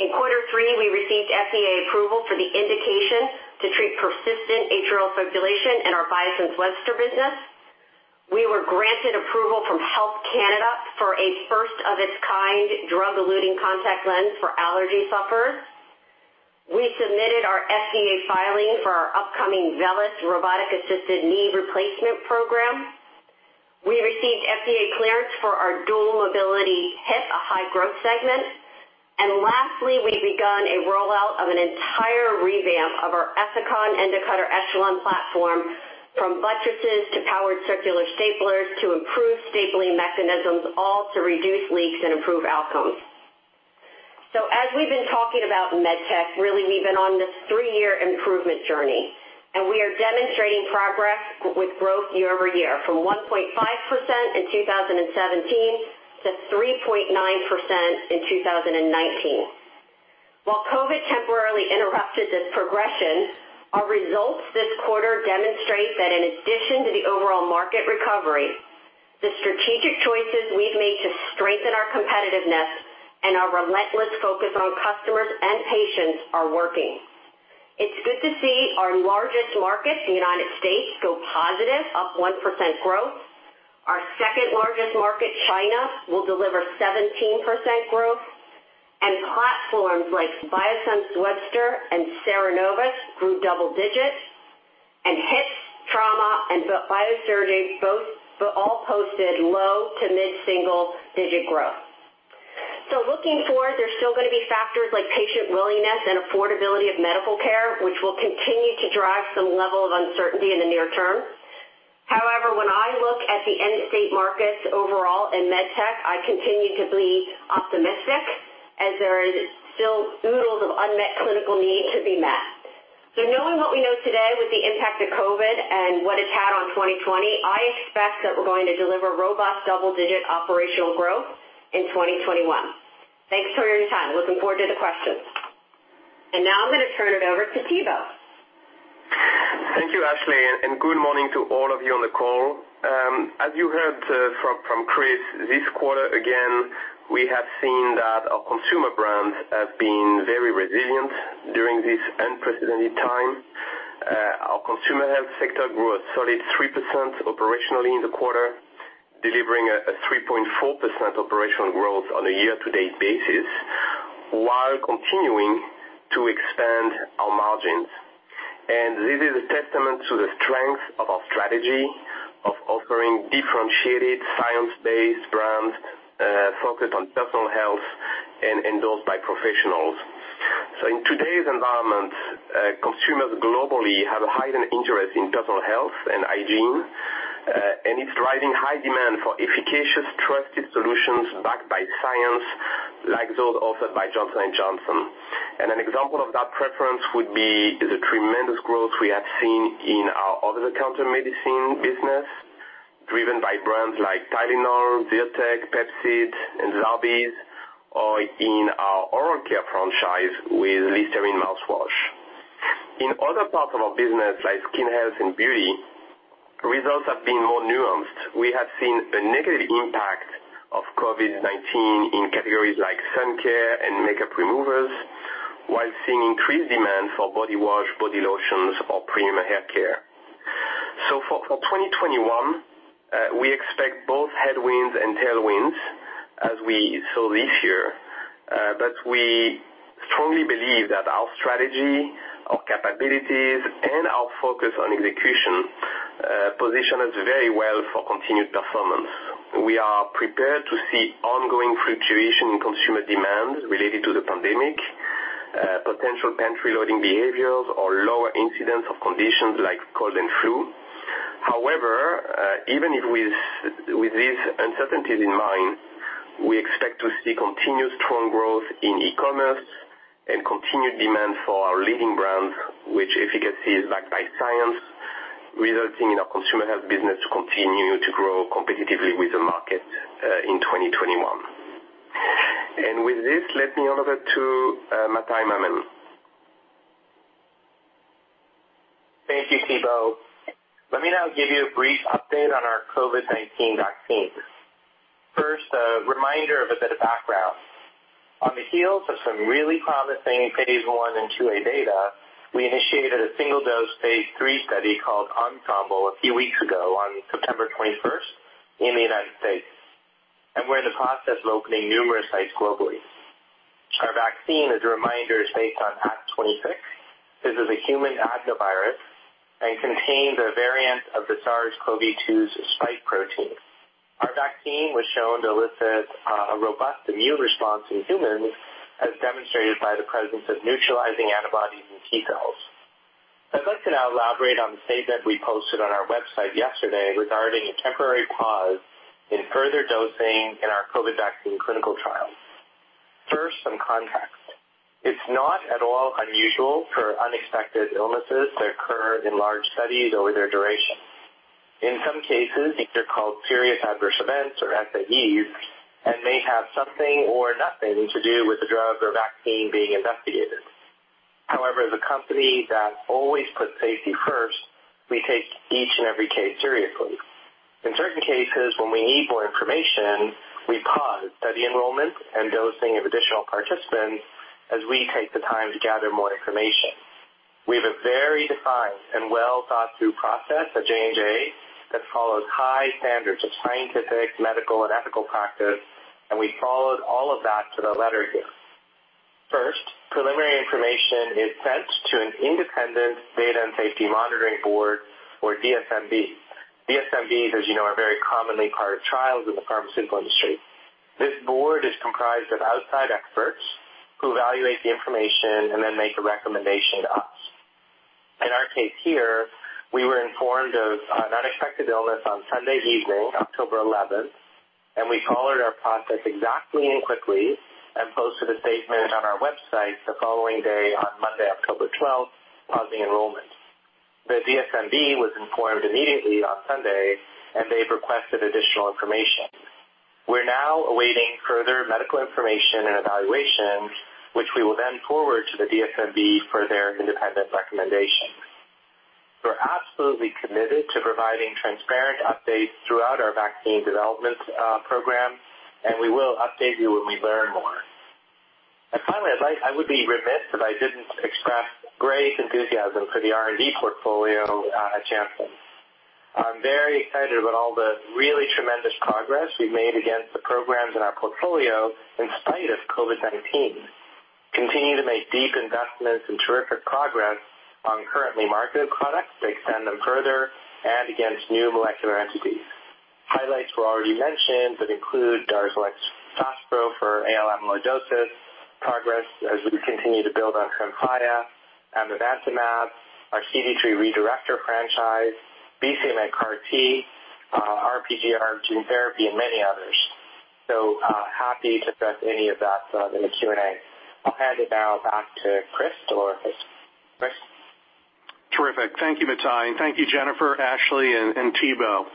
In quarter three, we received FDA approval for the indication to treat persistent atrial fibrillation in our Biosense Webster business. We were granted approval from Health Canada for a first-of-its-kind drug-eluting contact lens for allergy sufferers. We submitted our FDA filing for our upcoming VELYS robotic-assisted knee replacement program. We received FDA clearance for our dual mobility hip, a high-growth segment. Lastly, we've begun a rollout of an entire revamp of our Ethicon Endocutter ECHELON platform, from buttresses to powered circular staplers to improved stapling mechanisms, all to reduce leaks and improve outcomes. As we've been talking about MedTech, really, we've been on this three-year improvement journey, and we are demonstrating progress with growth year-over-year, from 1.5% in 2017 to 3.9% in 2019. While COVID temporarily interrupted this progression, our results this quarter demonstrate that in addition to the overall market recovery, the strategic choices we've made to strengthen our competitiveness and our relentless focus on customers and patients are working. It's good to see our largest market, the United States, go positive, up 1% growth. Our second-largest market, China, will deliver 17% growth. Platforms like Biosense Webster and CERENOVUS grew double digits. Hips, trauma, and Biosurgery, all posted low- to mid-single digit growth. Looking forward, there's still going to be factors like patient willingness and affordability of medical care, which will continue to drive some level of uncertainty in the near term. However, when I look at the end-state markets overall in MedTech, I continue to be optimistic as there is still oodles of unmet clinical need to be met. Knowing what we know today with the impact of COVID and what it's had on 2020, I expect that we're going to deliver robust double-digit operational growth in 2021. Thanks for your time. Looking forward to the questions. Now I'm going to turn it over to Thibaut. Thank you, Ashley, good morning to all of you on the call. As you heard from Chris, this quarter, again, we have seen that our consumer brands have been very resilient during this unprecedented time. Our consumer health sector grew a solid 3% operationally in the quarter, delivering a 3.4% operational growth on a year-to-date basis while continuing to expand our margins. This is a testament to the strength of our strategy of offering differentiated science-based brands focused on personal health and endorsed by professionals. In today's environment, consumers globally have a heightened interest in personal health and hygiene, and it's driving high demand for efficacious, trusted solutions backed by science, like those offered by Johnson & Johnson. An example of that preference would be the tremendous growth we have seen in our over-the-counter medicine business, driven by brands like TYLENOL, ZYRTEC, PEPCID, and Zantac, or in our oral care franchise with LISTERINE mouthwash. In other parts of our business, like skin health and beauty, results have been more nuanced. We have seen a negative impact of COVID-19 in categories like sun care and makeup removers, while seeing increased demand for body wash, body lotions, or premium haircare. For 2021, we expect both headwinds and tailwinds, as we saw this year. We strongly believe that our strategy, our capabilities, and our focus on execution position us very well for continued performance. We are prepared to see ongoing fluctuation in consumer demand related to the pandemic potential pantry loading behaviors or lower incidence of conditions like cold and flu. Even with these uncertainties in mind, we expect to see continued strong growth in e-commerce and continued demand for our leading brands, which efficacy is backed by science, resulting in our consumer health business to continue to grow competitively with the market in 2021. With this, let me hand over to Mathai Mammen. Thank you, Thibaut. Let me now give you a brief update on our COVID-19 vaccine. First, a reminder of a bit of background. On the heels of some really promising phase I and II-A data, we initiated a single-dose phase III study called ENSEMBLE a few weeks ago on September 21st in the U.S., and we're in the process of opening numerous sites globally. Our vaccine, as a reminder, is based on Ad26. This is a human adenovirus and contains a variant of the SARS-CoV-2's spike protein. Our vaccine was shown to elicit a robust immune response in humans, as demonstrated by the presence of neutralizing antibodies and T-cells. I'd like to now elaborate on the statement we posted on our website yesterday regarding a temporary pause in further dosing in our COVID vaccine clinical trials. First, some context. It's not at all unusual for unexpected illnesses to occur in large studies over their duration. In some cases, these are called serious adverse events, or SAEs, and may have something or nothing to do with the drug or vaccine being investigated. However, as a company that always puts safety first, we take each and every case seriously. In certain cases, when we need more information, we pause study enrollment and dosing of additional participants as we take the time to gather more information. We have a very defined and well-thought-through process at J&J that follows high standards of scientific, medical, and ethical practice, and we followed all of that to the letter here. First, preliminary information is sent to an independent Data Safety Monitoring Board, or DSMB. DSMBs, as you know, are very commonly part of trials in the pharmaceutical industry. This board is comprised of outside experts who evaluate the information and then make a recommendation to us. In our case here, we were informed of an unexpected illness on Sunday evening, October 11th, and we followed our process exactly and quickly and posted a statement on our website the following day on Monday, October 12th, pausing enrollment. The DSMB was informed immediately on Sunday. They've requested additional information. We're now awaiting further medical information and evaluation, which we will then forward to the DSMB for their independent recommendations. We're absolutely committed to providing transparent updates throughout our vaccine development program. We will update you when we learn more. Finally, I would be remiss if I didn't express great enthusiasm for the R&D portfolio at Janssen. I'm very excited about all the really tremendous progress we've made against the programs in our portfolio in spite of COVID-19. Continuing to make deep investments and terrific progress on currently marketed products to extend them further and against new molecular entities. Highlights were already mentioned, include DARZALEX FASPRO for AL amyloidosis, progress as we continue to build on TREMFYA, amivantamab, our CD3 redirector franchise, BCMA CAR-T, RPGR gene therapy, and many others. Happy to address any of that in the Q&A. I'll hand it now back to Chris DelOrefice. Chris? Terrific. Thank you, Mathai, and thank you, Jennifer, Ashley, and Thibaut.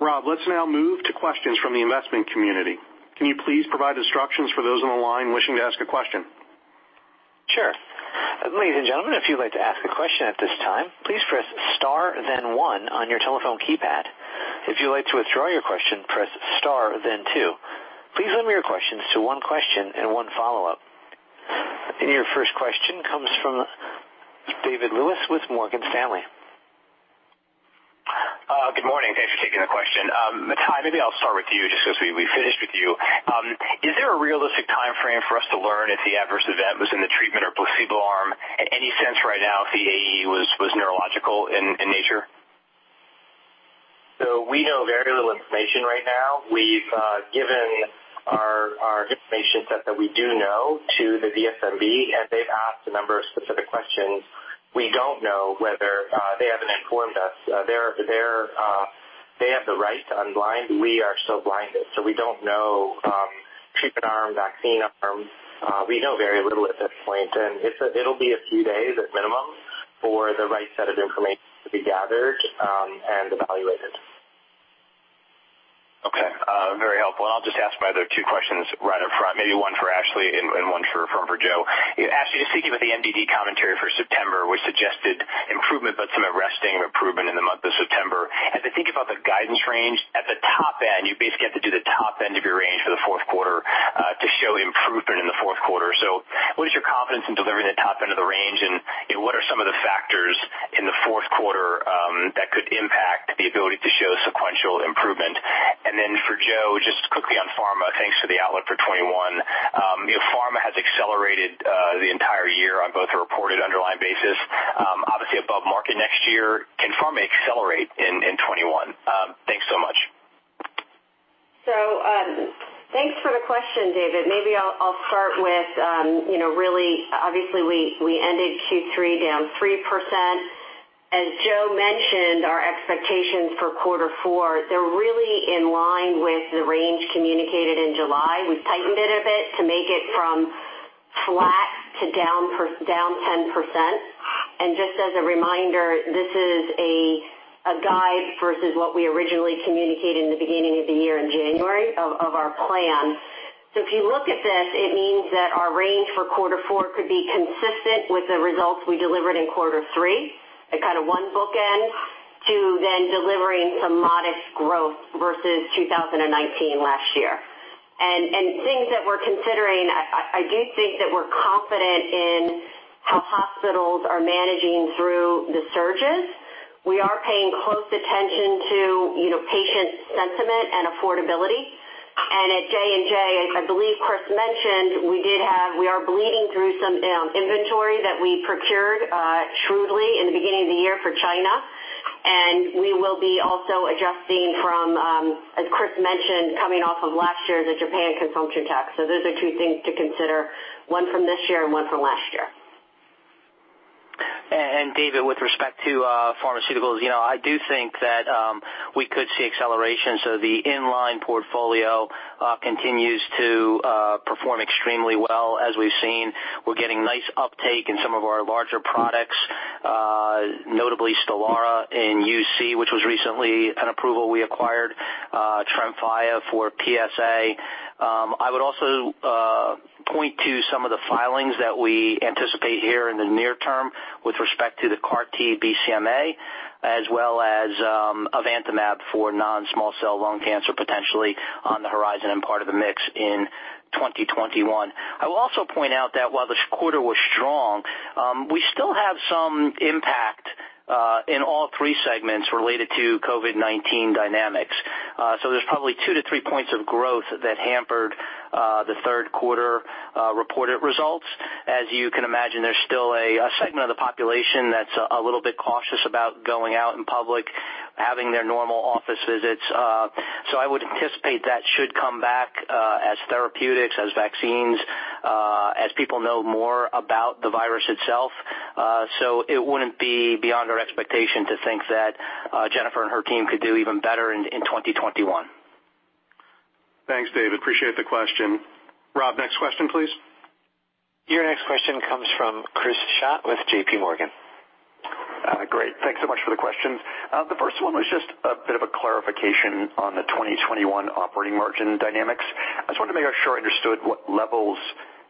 Rob, let's now move to questions from the investment community. Can you please provide instructions for those on the line wishing to ask a question? Your first question comes from David Lewis with Morgan Stanley. Good morning. Thanks for taking the question. Mathai, maybe I'll start with you just because we finished with you. Is there a realistic timeframe for us to learn if the adverse event was in the treatment or placebo arm? Any sense right now if the AE was neurological in nature? We know very little information right now. We've given our information set that we do know to the DSMB, and they've asked a number of specific questions. They haven't informed us. They have the right to unblind. We are so blinded, so we don't know treatment arm, vaccine arm. We know very little at this point. It'll be a few days at minimum for the right set of information to be gathered and evaluated. Okay. Very helpful, and I'll just ask my other two questions right up front, maybe one for Ashley and one for Joe. Ashley, just thinking about the MDD commentary for September, which suggested improvement but some arresting of improvement in the month of September, as I think about the guidance range at the top end, you basically have to do the top end of your range for the fourth quarter to show improvement in the fourth quarter. What is your confidence in delivering the top end of the range, and what are some of the factors in the fourth quarter that could impact the ability to show sequential improvement? Then for Joe, just quickly on Pharma, thanks for the outlook for 2021. Pharma has accelerated the entire year on both a reported underlying basis, obviously above market next year. Can Pharma accelerate in 2021? Thanks so much. Thanks for the question, David. Maybe I'll start with, obviously, we ended Q3 down 3%. As Joe mentioned, our expectations for Q4, they're really in line with the range communicated in July. We've tightened it a bit to make it from flat to down 10%. Just as a reminder, this is a guide versus what we originally communicated in the beginning of the year in January of our plan. If you look at this, it means that our range for Q4 could be consistent with the results we delivered in Q3, a kind of one bookend to then delivering some modest growth versus 2019. Things that we're considering, I do think that we're confident in how hospitals are managing through the surges. We are paying close attention to patient sentiment and affordability. At J&J, I believe Chris mentioned, we are bleeding through some inventory that we procured truly in the beginning of the year for China. We will be also adjusting from, as Chris mentioned, coming off of last year, the Japan consumption tax. Those are two things to consider, one from this year and one from last year. David, with respect to pharmaceuticals, I do think that we could see acceleration. The inline portfolio continues to perform extremely well as we've seen. We're getting nice uptake in some of our larger products, notably STELARA in UC, which was recently an approval we acquired, TREMFYA for PsA. I would also point to some of the filings that we anticipate here in the near term with respect to the CAR-T BCMA, as well as amivantamab for non-small cell lung cancer, potentially on the horizon and part of the mix in 2021. I will also point out that while this quarter was strong, we still have some impact in all three segments related to COVID-19 dynamics. There's probably 2-3 points of growth that hampered the third quarter reported results. As you can imagine, there's still a segment of the population that's a little bit cautious about going out in public, having their normal office visits. I would anticipate that should come back as therapeutics, as vaccines, as people know more about the virus itself. It wouldn't be beyond our expectation to think that Jennifer and her team could do even better in 2021. Thanks, David. Appreciate the question. Rob, next question, please. Your next question comes from Chris Schott with JPMorgan. Thanks so much for the questions. The first one was just a bit of a clarification on the 2021 operating margin dynamics. I just wanted to make sure I understood what levels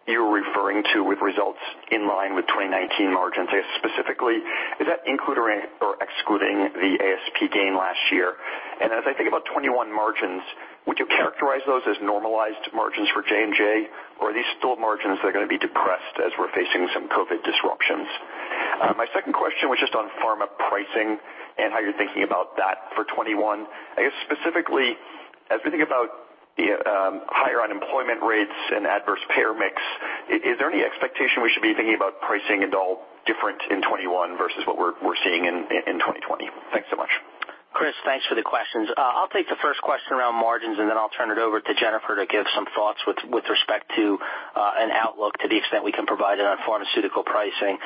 you're referring to with results in line with 2019 margins. I guess specifically, is that including or excluding the ASP gain last year? As I think about 2021 margins, would you characterize those as normalized margins for J&J? Are these still margins that are going to be depressed as we're facing some COVID disruptions? My second question was just on pharma pricing and how you're thinking about that for 2021. I guess specifically, as we think about higher unemployment rates and adverse payer mix, is there any expectation we should be thinking about pricing at all different in 2021 versus what we're seeing in 2020? Thanks so much. Chris, thanks for the questions. I'll take the first question around margins, and then I'll turn it over to Jennifer to give some thoughts with respect to an outlook to the extent we can provide it on pharmaceutical pricing.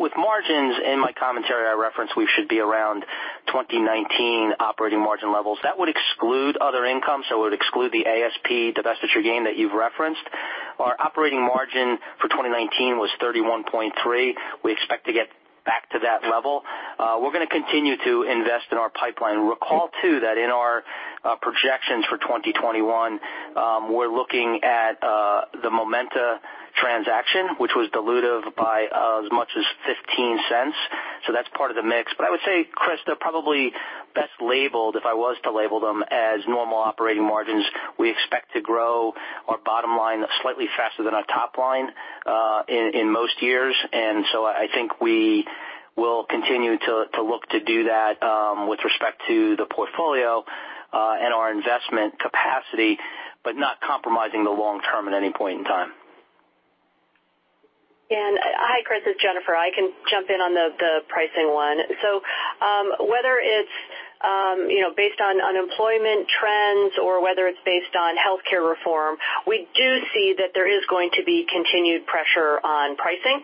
With margins, in my commentary, I referenced we should be around 2019 operating margin levels. That would exclude other income, it would exclude the ASP divestiture gain that you've referenced. Our operating margin for 2019 was 31.3%. We expect to get back to that level. We're going to continue to invest in our pipeline. Recall, too, that in our projections for 2021, we're looking at the Momenta transaction, which was dilutive by as much as $0.15. That's part of the mix. I would say, Chris, they're probably best labeled, if I was to label them, as normal operating margins. We expect to grow our bottom line slightly faster than our top line in most years. I think we will continue to look to do that with respect to the portfolio and our investment capacity, but not compromising the long term at any point in time. Hi, Chris, it's Jennifer. I can jump in on the pricing one. Whether it's based on unemployment trends or whether it's based on healthcare reform, we do see that there is going to be continued pressure on pricing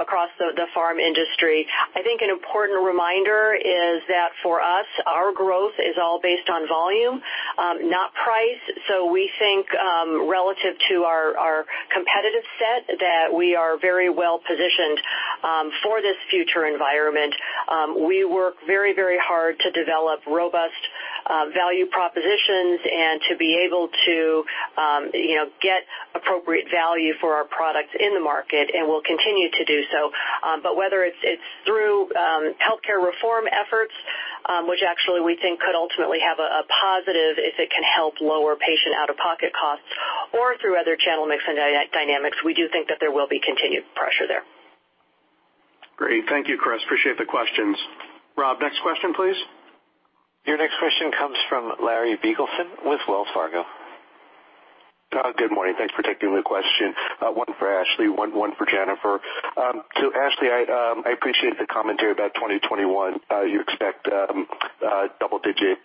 across the pharm industry. I think an important reminder is that for us, our growth is all based on volume, not price. We think relative to our competitive set that we are very well positioned for this future environment. We work very hard to develop robust value propositions and to be able to get appropriate value for our products in the market, and we'll continue to do so. Whether it's through healthcare reform efforts, which actually we think could ultimately have a positive if it can help lower patient out-of-pocket costs or through other channel mix and dynamics, we do think that there will be continued pressure there. Great. Thank you, Chris. Appreciate the questions. Rob, next question, please. Your next question comes from Larry Biegelsen with Wells Fargo. Good morning. Thanks for taking the question. One for Ashley, one for Jennifer. Ashley, I appreciate the commentary about 2021. You expect double-digit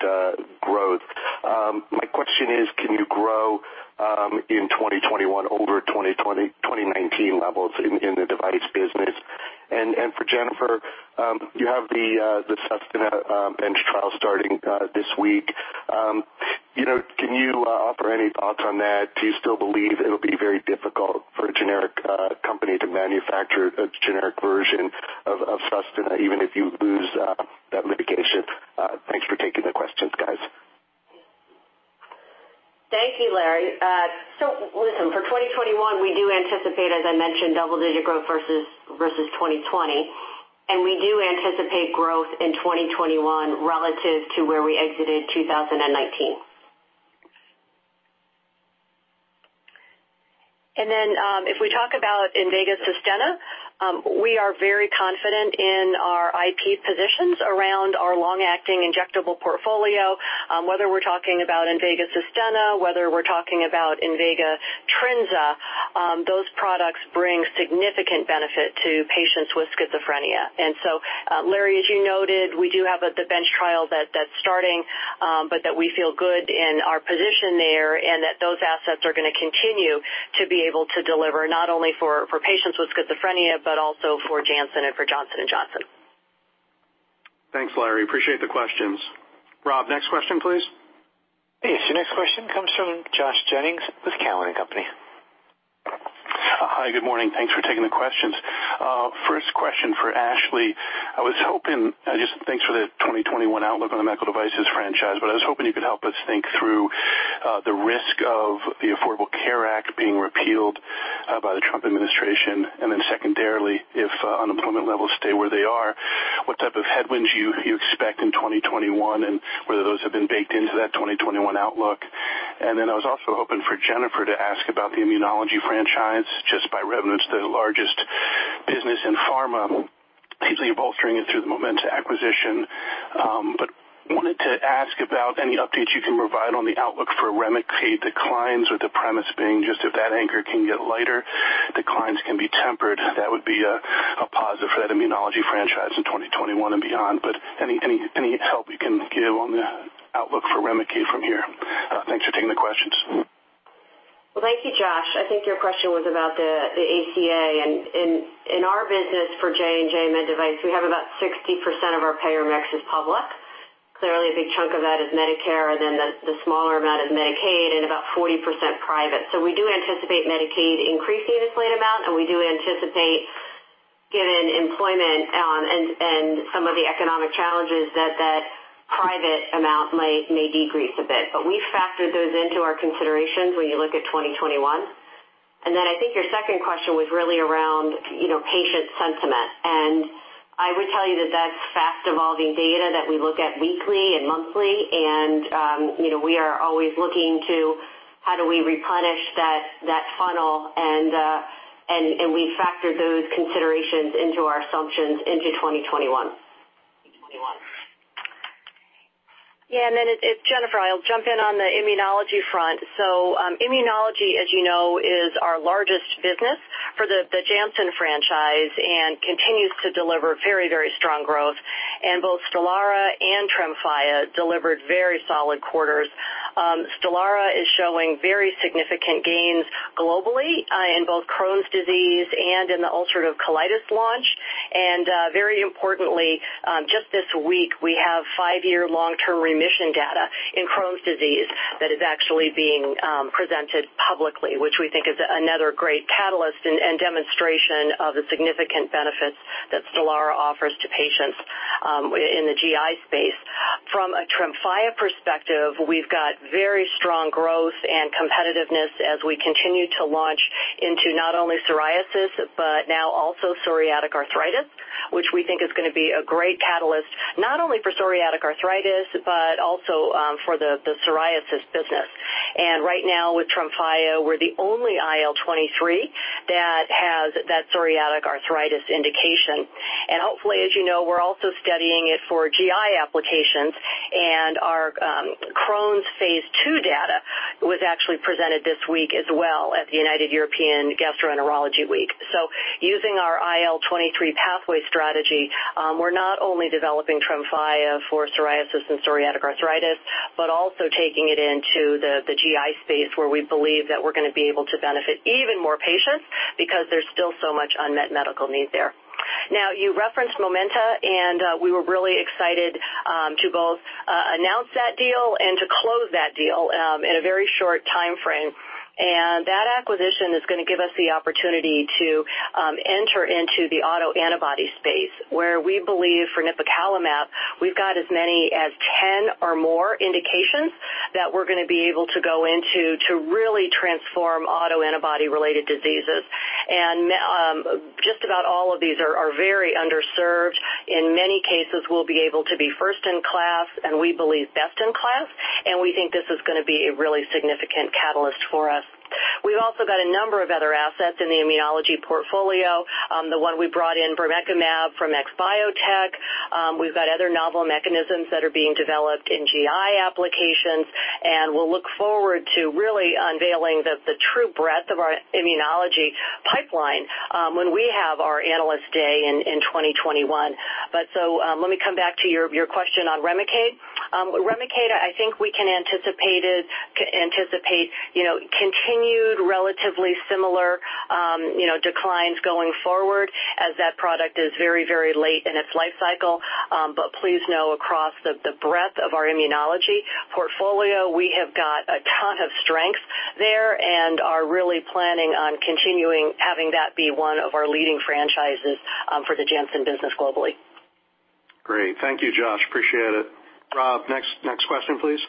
growth. My question is, can you grow in 2021 over 2019 levels in the device business? For Jennifer, you have the INVEGA SUSTENNA bench trial starting this week. Can you offer any thoughts on that? Do you still believe it'll be very difficult for a generic company to manufacture a generic version of INVEGA SUSTENNA, even if you lose that litigation? Thanks for taking the questions, guys. Thank you, Larry. Listen, for 2021, we do anticipate, as I mentioned, double-digit growth versus 2020. We do anticipate growth in 2021 relative to where we exited 2019. If we talk about INVEGA SUSTENNA, we are very confident in our IP positions around our long-acting injectable portfolio. Whether we're talking about INVEGA SUSTENNA, whether we're talking about INVEGA TRINZA, those products bring significant benefit to patients with schizophrenia. Larry, as you noted, we do have the bench trial that's starting, but that we feel good in our position there, and that those assets are going to continue to be able to deliver not only for patients with schizophrenia but also for Janssen and for Johnson & Johnson. Thanks, Larry. Appreciate the questions. Rob, next question, please. Yes, your next question comes from Josh Jennings with Cowen and Company. Hi, good morning. Thanks for taking the questions. First question for Ashley. Thanks for the 2021 outlook on the medical devices franchise. I was hoping you could help us think through the risk of the Affordable Care Act being repealed by the Trump administration. Secondarily, if unemployment levels stay where they are, what type of headwinds do you expect in 2021, and whether those have been baked into that 2021 outlook? I was also hoping for Jennifer to ask about the immunology franchise, just by revenues, the largest business in pharma, seemingly bolstering it through the Momenta acquisition. Wanted to ask about any updates you can provide on the outlook for REMICADE declines, with the premise being just if that anchor can get lighter, declines can be tempered. That would be a positive for that immunology franchise in 2021 and beyond. Any help you can give on the outlook for REMICADE from here? Thanks for taking the questions. Well, thank you, Josh. I think your question was about the ACA in our business for J&J MedTech, we have about 60% of our payer mix is public. Clearly, a big chunk of that is Medicare, the smaller amount is Medicaid about 40% private. We do anticipate Medicaid increasing a slight amount, we do anticipate, given employment and some of the economic challenges, that that private amount may decrease a bit. We've factored those into our considerations when you look at 2021. I think your second question was really around patient sentiment. I would tell you that that's fast-evolving data that we look at weekly and monthly, we are always looking to how do we replenish that funnel, we factor those considerations into our assumptions into 2021. Yeah, it's Jennifer. I'll jump in on the immunology front. Immunology, as you know, is our largest business for the Janssen franchise and continues to deliver very, very strong growth. Both STELARA and TREMFYA delivered very solid quarters. STELARA is showing very significant gains globally in both Crohn's disease and in the ulcerative colitis launch. Very importantly, just this week, we have five-year long-term remission data in Crohn's disease that is actually being presented publicly, which we think is another great catalyst and demonstration of the significant benefits that STELARA offers to patients in the GI space. From a TREMFYA perspective, we've got very strong growth and competitiveness as we continue to launch into not only psoriasis, but now also psoriatic arthritis, which we think is going to be a great catalyst, not only for psoriatic arthritis, but also for the psoriasis business. Right now with TREMFYA, we're the only IL-23 that has that psoriatic arthritis indication. Hopefully, as you know, we're also studying it for GI applications, and our Crohn's phase II data was actually presented this week as well at the United European Gastroenterology Week. Using our IL-23 pathway strategy, we're not only developing TREMFYA for psoriasis and psoriatic arthritis, but also taking it into the GI space where we believe that we're going to be able to benefit even more patients because there's still so much unmet medical need there. You referenced Momenta, and we were really excited to both announce that deal and to close that deal in a very short timeframe. That acquisition is going to give us the opportunity to enter into the autoantibody space, where we believe for nipocalimab, we've got as many as 10 or more indications that we're going to be able to go into to really transform autoantibody-related diseases. Just about all of these are very underserved. In many cases, we'll be able to be first in class and we believe best in class, and we think this is going to be a really significant catalyst for us. We've also got a number of other assets in the immunology portfolio. The one we brought in, bermekimab from XBiotech. We've got other novel mechanisms that are being developed in GI applications, and we'll look forward to really unveiling the true breadth of our immunology pipeline when we have our Analyst Day in 2021. Let me come back to your question on REMICADE. REMICADE, I think we can anticipate continued. Relatively similar declines going forward as that product is very late in its life cycle. Please know across the breadth of our immunology portfolio, we have got a ton of strength there and are really planning on continuing having that be one of our leading franchises for the Janssen business globally. Great. Thank you, Josh. Appreciate it. Rob, next question, please.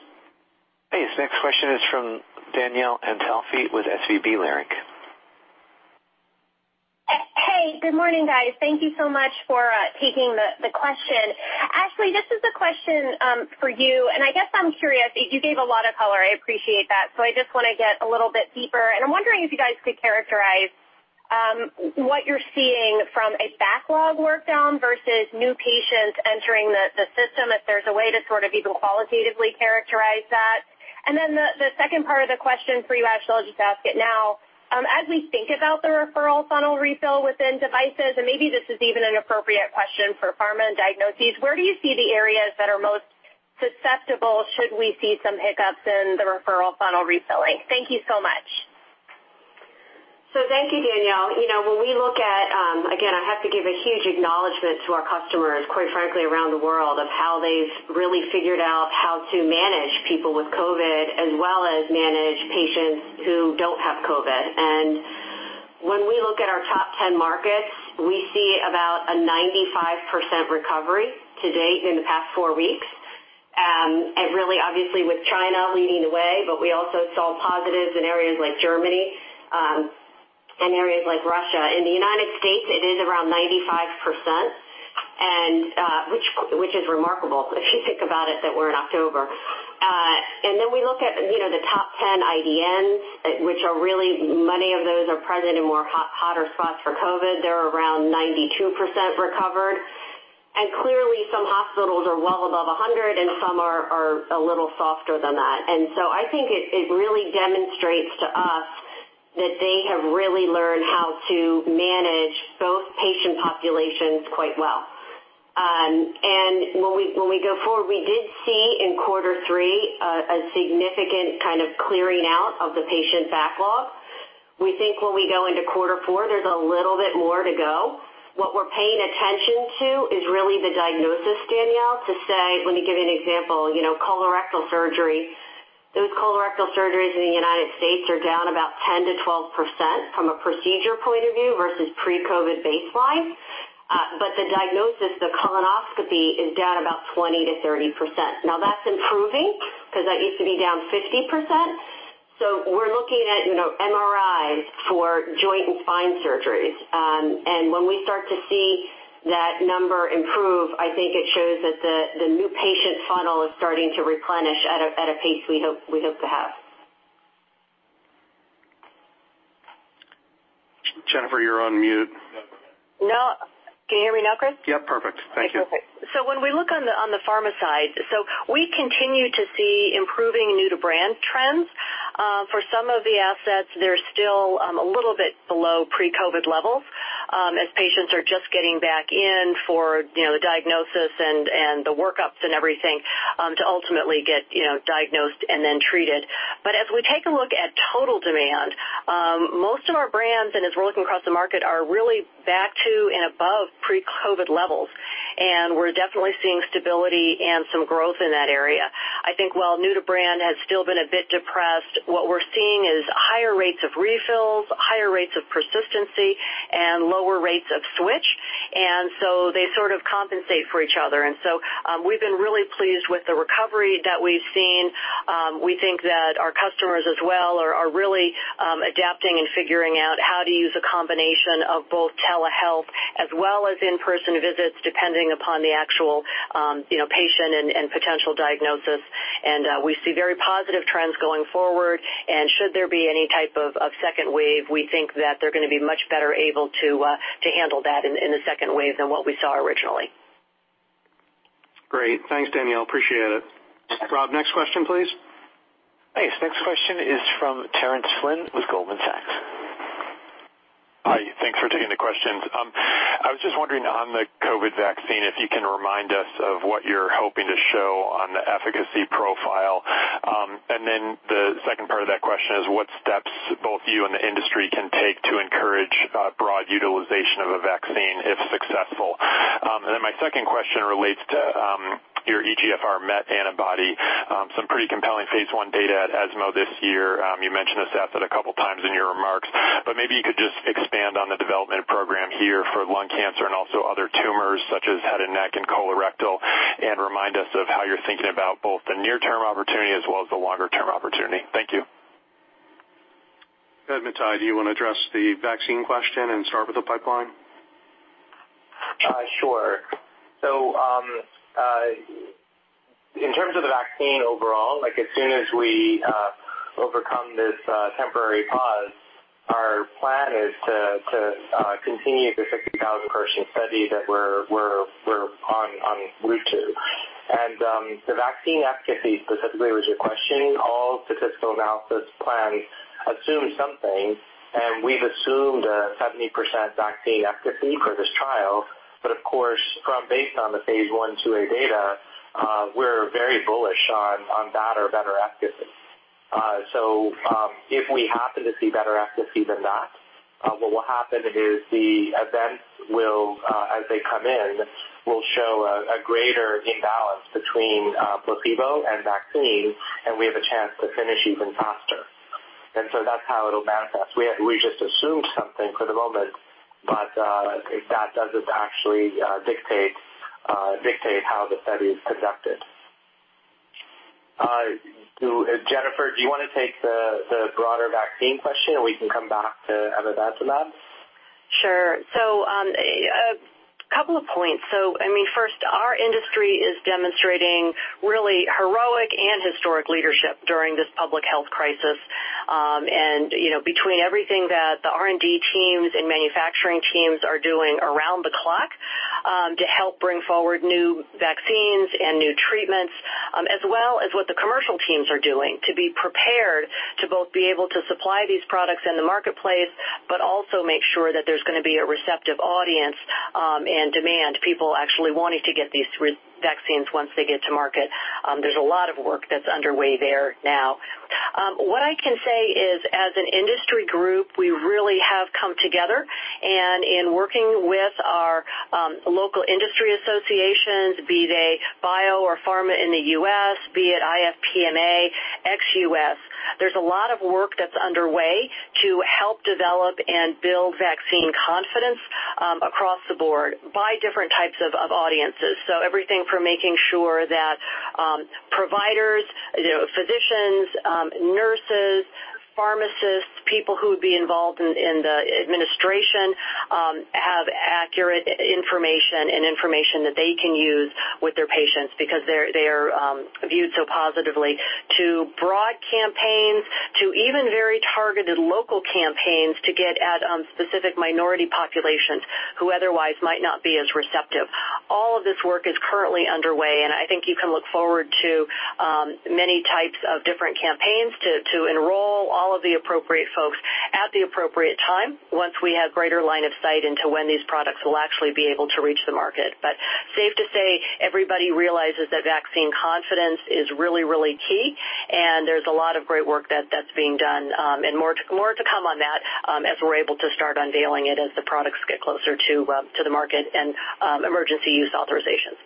Thanks. Next question is from Danielle Antalffy with SVB Leerink. Hey, good morning, guys. Thank you so much for taking the question. Ashley, this is a question for you. I guess I'm curious, you gave a lot of color. I appreciate that. I just want to get a little bit deeper, and I'm wondering if you guys could characterize what you're seeing from a backlog work down versus new patients entering the system, if there's a way to sort of even qualitatively characterize that. Then the second part of the question for you, Ashley, I'll just ask it now. As we think about the referral funnel refill within devices, and maybe this is even an appropriate question for pharma and diagnoses, where do you see the areas that are most susceptible should we see some hiccups in the referral funnel refilling? Thank you so much. Thank you, Danielle. When we look at, again, I have to give a huge acknowledgement to our customers, quite frankly, around the world of how they've really figured out how to manage people with COVID as well as manage patients who don't have COVID. When we look at our top 10 markets, we see about a 95% recovery to date in the past four weeks. Really, obviously with China leading the way, but we also saw positives in areas like Germany, and areas like Russia. In the U.S., it is around 95%, which is remarkable if you think about it, that we're in October. We look at the top 10 IDNs, which are really many of those are present in more hotter spots for COVID. They're around 92% recovered. Clearly some hospitals are well above 100 and some are a little softer than that. I think it really demonstrates to us that they have really learned how to manage both patient populations quite well. When we go forward, we did see in quarter three a significant kind of clearing out of the patient backlog. We think when we go into quarter four, there's a little bit more to go. What we're paying attention to is really the diagnosis, Danielle, to say, let me give you an example, colorectal surgery. Those colorectal surgeries in the U.S. are down about 10%-12% from a procedure point of view versus pre-COVID baseline. The diagnosis, the colonoscopy, is down about 20%-30%. Now that's improving because that used to be down 50%. We're looking at MRIs for joint and spine surgeries. When we start to see that number improve, I think it shows that the new patient funnel is starting to replenish at a pace we hope to have. Jennifer, you're on mute. No. Can you hear me now, Chris? Yeah, perfect. Thank you. When we look on the pharma side, we continue to see improving new-to-brand trends. For some of the assets, they're still a little bit below pre-COVID levels as patients are just getting back in for the diagnosis and the workups and everything to ultimately get diagnosed and then treated. As we take a look at total demand, most of our brands, and as we're looking across the market, are really back to and above pre-COVID levels. We're definitely seeing stability and some growth in that area. I think while new-to-brand has still been a bit depressed, what we're seeing is higher rates of refills, higher rates of persistency, and lower rates of switch. They sort of compensate for each other. We've been really pleased with the recovery that we've seen. We think that our customers as well are really adapting and figuring out how to use a combination of both telehealth as well as in-person visits, depending upon the actual patient and potential diagnosis. We see very positive trends going forward. Should there be any type of second wave, we think that they're going to be much better able to handle that in the second wave than what we saw originally. Great. Thanks, Danielle. Appreciate it. Rob, next question, please. Thanks. Next question is from Terence Flynn with Goldman Sachs. Hi. Thanks for taking the questions. I was just wondering on the COVID vaccine, if you can remind us of what you're hoping to show on the efficacy profile. The second part of that question is what steps both you and the industry can take to encourage broad utilization of a vaccine if successful? My second question relates to your EGFR MET antibody. Some pretty compelling phase I data at ESMO this year. You mentioned this asset a couple of times in your remarks. Maybe you could just expand on the development program here for lung cancer and also other tumors such as head and neck and colorectal, and remind us of how you're thinking about both the near-term opportunity as well as the longer-term opportunity. Thank you. Go ahead, Mathai. Do you want to address the vaccine question and start with the pipeline? Sure. In terms of the vaccine overall, as soon as we overcome this temporary pause, our plan is to continue the 60,000-person study that we're on route to. The vaccine efficacy specifically was your question. All statistical analysis plans assume something. We've assumed a 70% vaccine efficacy for this trial. Of course, from based on the phase I/II-A data, we're very bullish on that or better efficacy. If we happen to see better efficacy than that, what will happen is the events will, as they come in, will show a greater imbalance between placebo and vaccine, and we have a chance to finish even faster. That's how it'll manifest. We just assumed something for the moment, that doesn't actually dictate how the study is conducted. Jennifer, do you want to take the broader vaccine question, and we can come back to amivantamab? Sure. A couple of points. First, our industry is demonstrating really heroic and historic leadership during this public health crisis. Between everything that the R&D teams and manufacturing teams are doing around the clock to help bring forward new vaccines and new treatments, as well as what the commercial teams are doing to be prepared to both be able to supply these products in the marketplace, but also make sure that there's going to be a receptive audience and demand, people actually wanting to get these vaccines once they get to market. There's a lot of work that's underway there now. What I can say is, as an industry group, we really have come together and in working with our local industry associations, be they BIO or PhRMA in the U.S., be it IFPMA, ex-U.S., there's a lot of work that's underway to help develop and build vaccine confidence across the board by different types of audiences. Everything from making sure that providers, physicians, nurses, pharmacists, people who would be involved in the administration have accurate information and information that they can use with their patients because they're viewed so positively to broad campaigns to even very targeted local campaigns to get at specific minority populations who otherwise might not be as receptive. All of this work is currently underway, and I think you can look forward to many types of different campaigns to enroll all of the appropriate folks at the appropriate time once we have greater line of sight into when these products will actually be able to reach the market. Safe to say, everybody realizes that vaccine confidence is really key, and there's a lot of great work that's being done, and more to come on that as we're able to start unveiling it as the products get closer to the market and emergency use authorizations.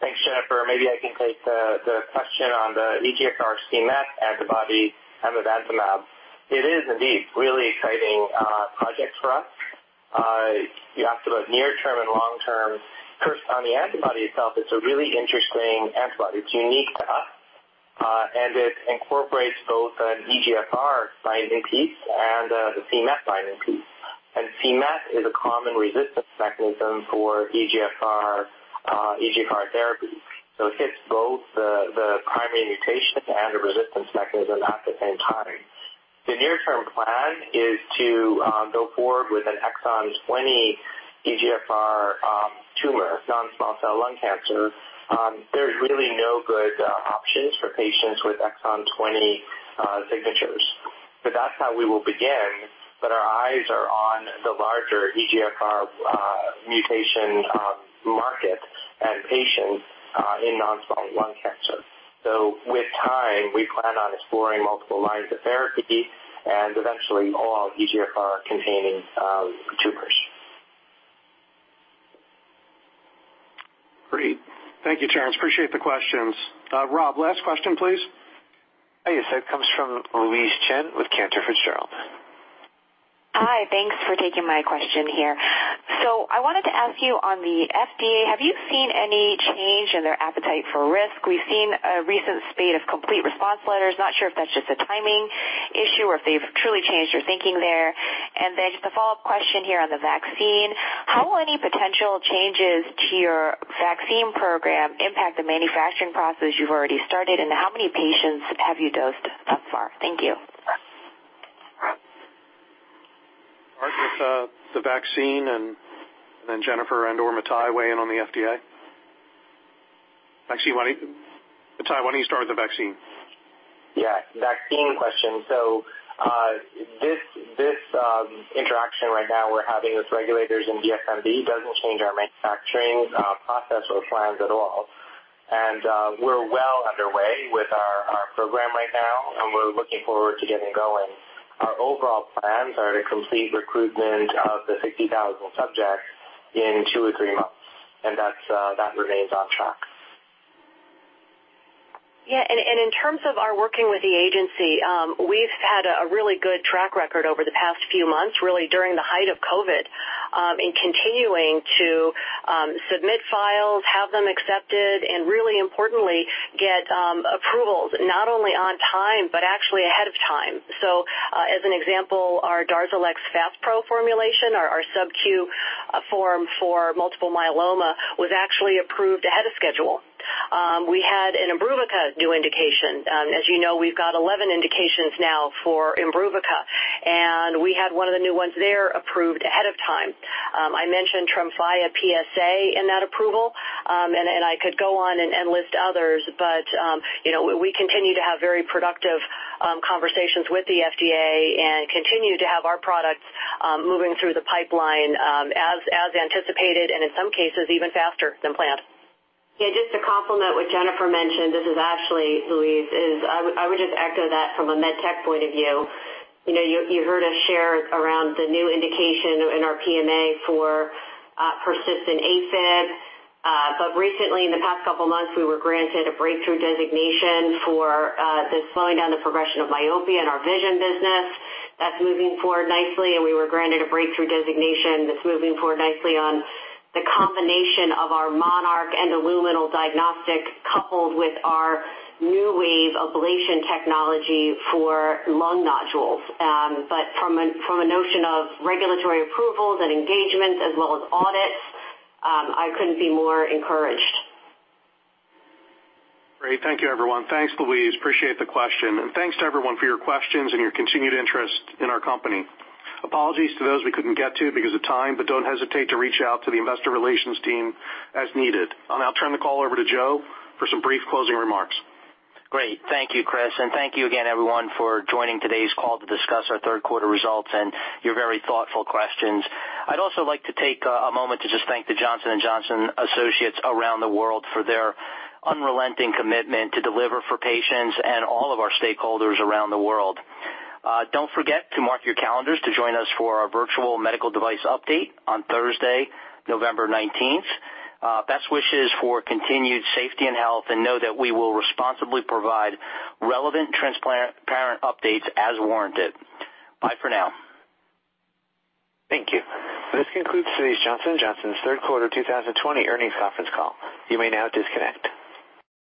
Thanks, Jennifer. Maybe I can take the question on the EGFR c-MET antibody amivantamab. It is indeed really exciting project for us. You asked about near term and long term. First, on the antibody itself, it's a really interesting antibody. It's unique to us. It incorporates both an EGFR binding piece and the c-MET binding piece. c-MET is a common resistance mechanism for EGFR therapy. It hits both the primary mutation and the resistance mechanism at the same time. The near term plan is to go forward with an exon 20 EGFR tumor, non-small cell lung cancer. There's really no good options for patients with exon 20 signatures. That's how we will begin, but our eyes are on the larger EGFR mutation market and patients in non-small cell lung cancer. With time, we plan on exploring multiple lines of therapy and eventually all EGFR-containing tumors. Great. Thank you, Terence. Appreciate the questions. Rob, last question, please. Yes, that comes from Louise Chen with Cantor Fitzgerald. Hi. Thanks for taking my question here. I wanted to ask you on the FDA, have you seen any change in their appetite for risk? We've seen a recent spate of complete response letters. Not sure if that's just a timing issue or if they've truly changed their thinking there. Just a follow-up question here on the vaccine. How will any potential changes to your vaccine program impact the manufacturing process you've already started, and how many patients have you dosed thus far? Thank you. I'll start with the vaccine, and then Jennifer and/or Mathai weigh in on the FDA. Mathai, why don't you start with the vaccine? Yeah. Vaccine question. This interaction right now we're having with regulators in DSMB doesn't change our manufacturing process or plans at all. We're well underway with our program right now, and we're looking forward to getting going. Our overall plans are to complete recruitment of the 60,000 subjects in two or three months, and that remains on track. In terms of our working with the agency, we've had a really good track record over the past few months, really during the height of COVID, in continuing to submit files, have them accepted, and really importantly, get approvals not only on time but actually ahead of time. As an example, our DARZALEX FASPRO formulation, our subQ form for multiple myeloma, was actually approved ahead of schedule. We had an IMBRUVICA new indication. As you know, we've got 11 indications now for IMBRUVICA, and we had one of the new ones there approved ahead of time. I mentioned TREMFYA PsA in that approval, and I could go on and list others, but we continue to have very productive conversations with the FDA and continue to have our products moving through the pipeline as anticipated, and in some cases, even faster than planned. Yeah, just to complement what Jennifer mentioned, this is Ashley, Louise, I would just echo that from a MedTech point of view. You heard us share around the new indication in our PMA for persistent AFib. Recently, in the past couple of months, we were granted a breakthrough designation for the slowing down the progression of myopia in our vision business. That's moving forward nicely. We were granted a breakthrough designation that's moving forward nicely on the combination of our Monarch and Illumina diagnostic, coupled with our NeuWave ablation technology for lung nodules. From a notion of regulatory approvals and engagements as well as audits, I couldn't be more encouraged. Great. Thank you, everyone. Thanks, Louise. Appreciate the question. Thanks to everyone for your questions and your continued interest in our company. Apologies to those we couldn't get to because of time, don't hesitate to reach out to the investor relations team as needed. I'll now turn the call over to Joe for some brief closing remarks. Great. Thank you, Chris. Thank you again, everyone, for joining today's call to discuss our third quarter results and your very thoughtful questions. I'd also like to take a moment to just thank the Johnson & Johnson associates around the world for their unrelenting commitment to deliver for patients and all of our stakeholders around the world. Don't forget to mark your calendars to join us for our virtual medical device update on Thursday, November 19th. Best wishes for continued safety and health, and know that we will responsibly provide relevant transparent updates as warranted. Bye for now. Thank you. This concludes today's Johnson & Johnson third quarter 2020 earnings conference call. You may now disconnect.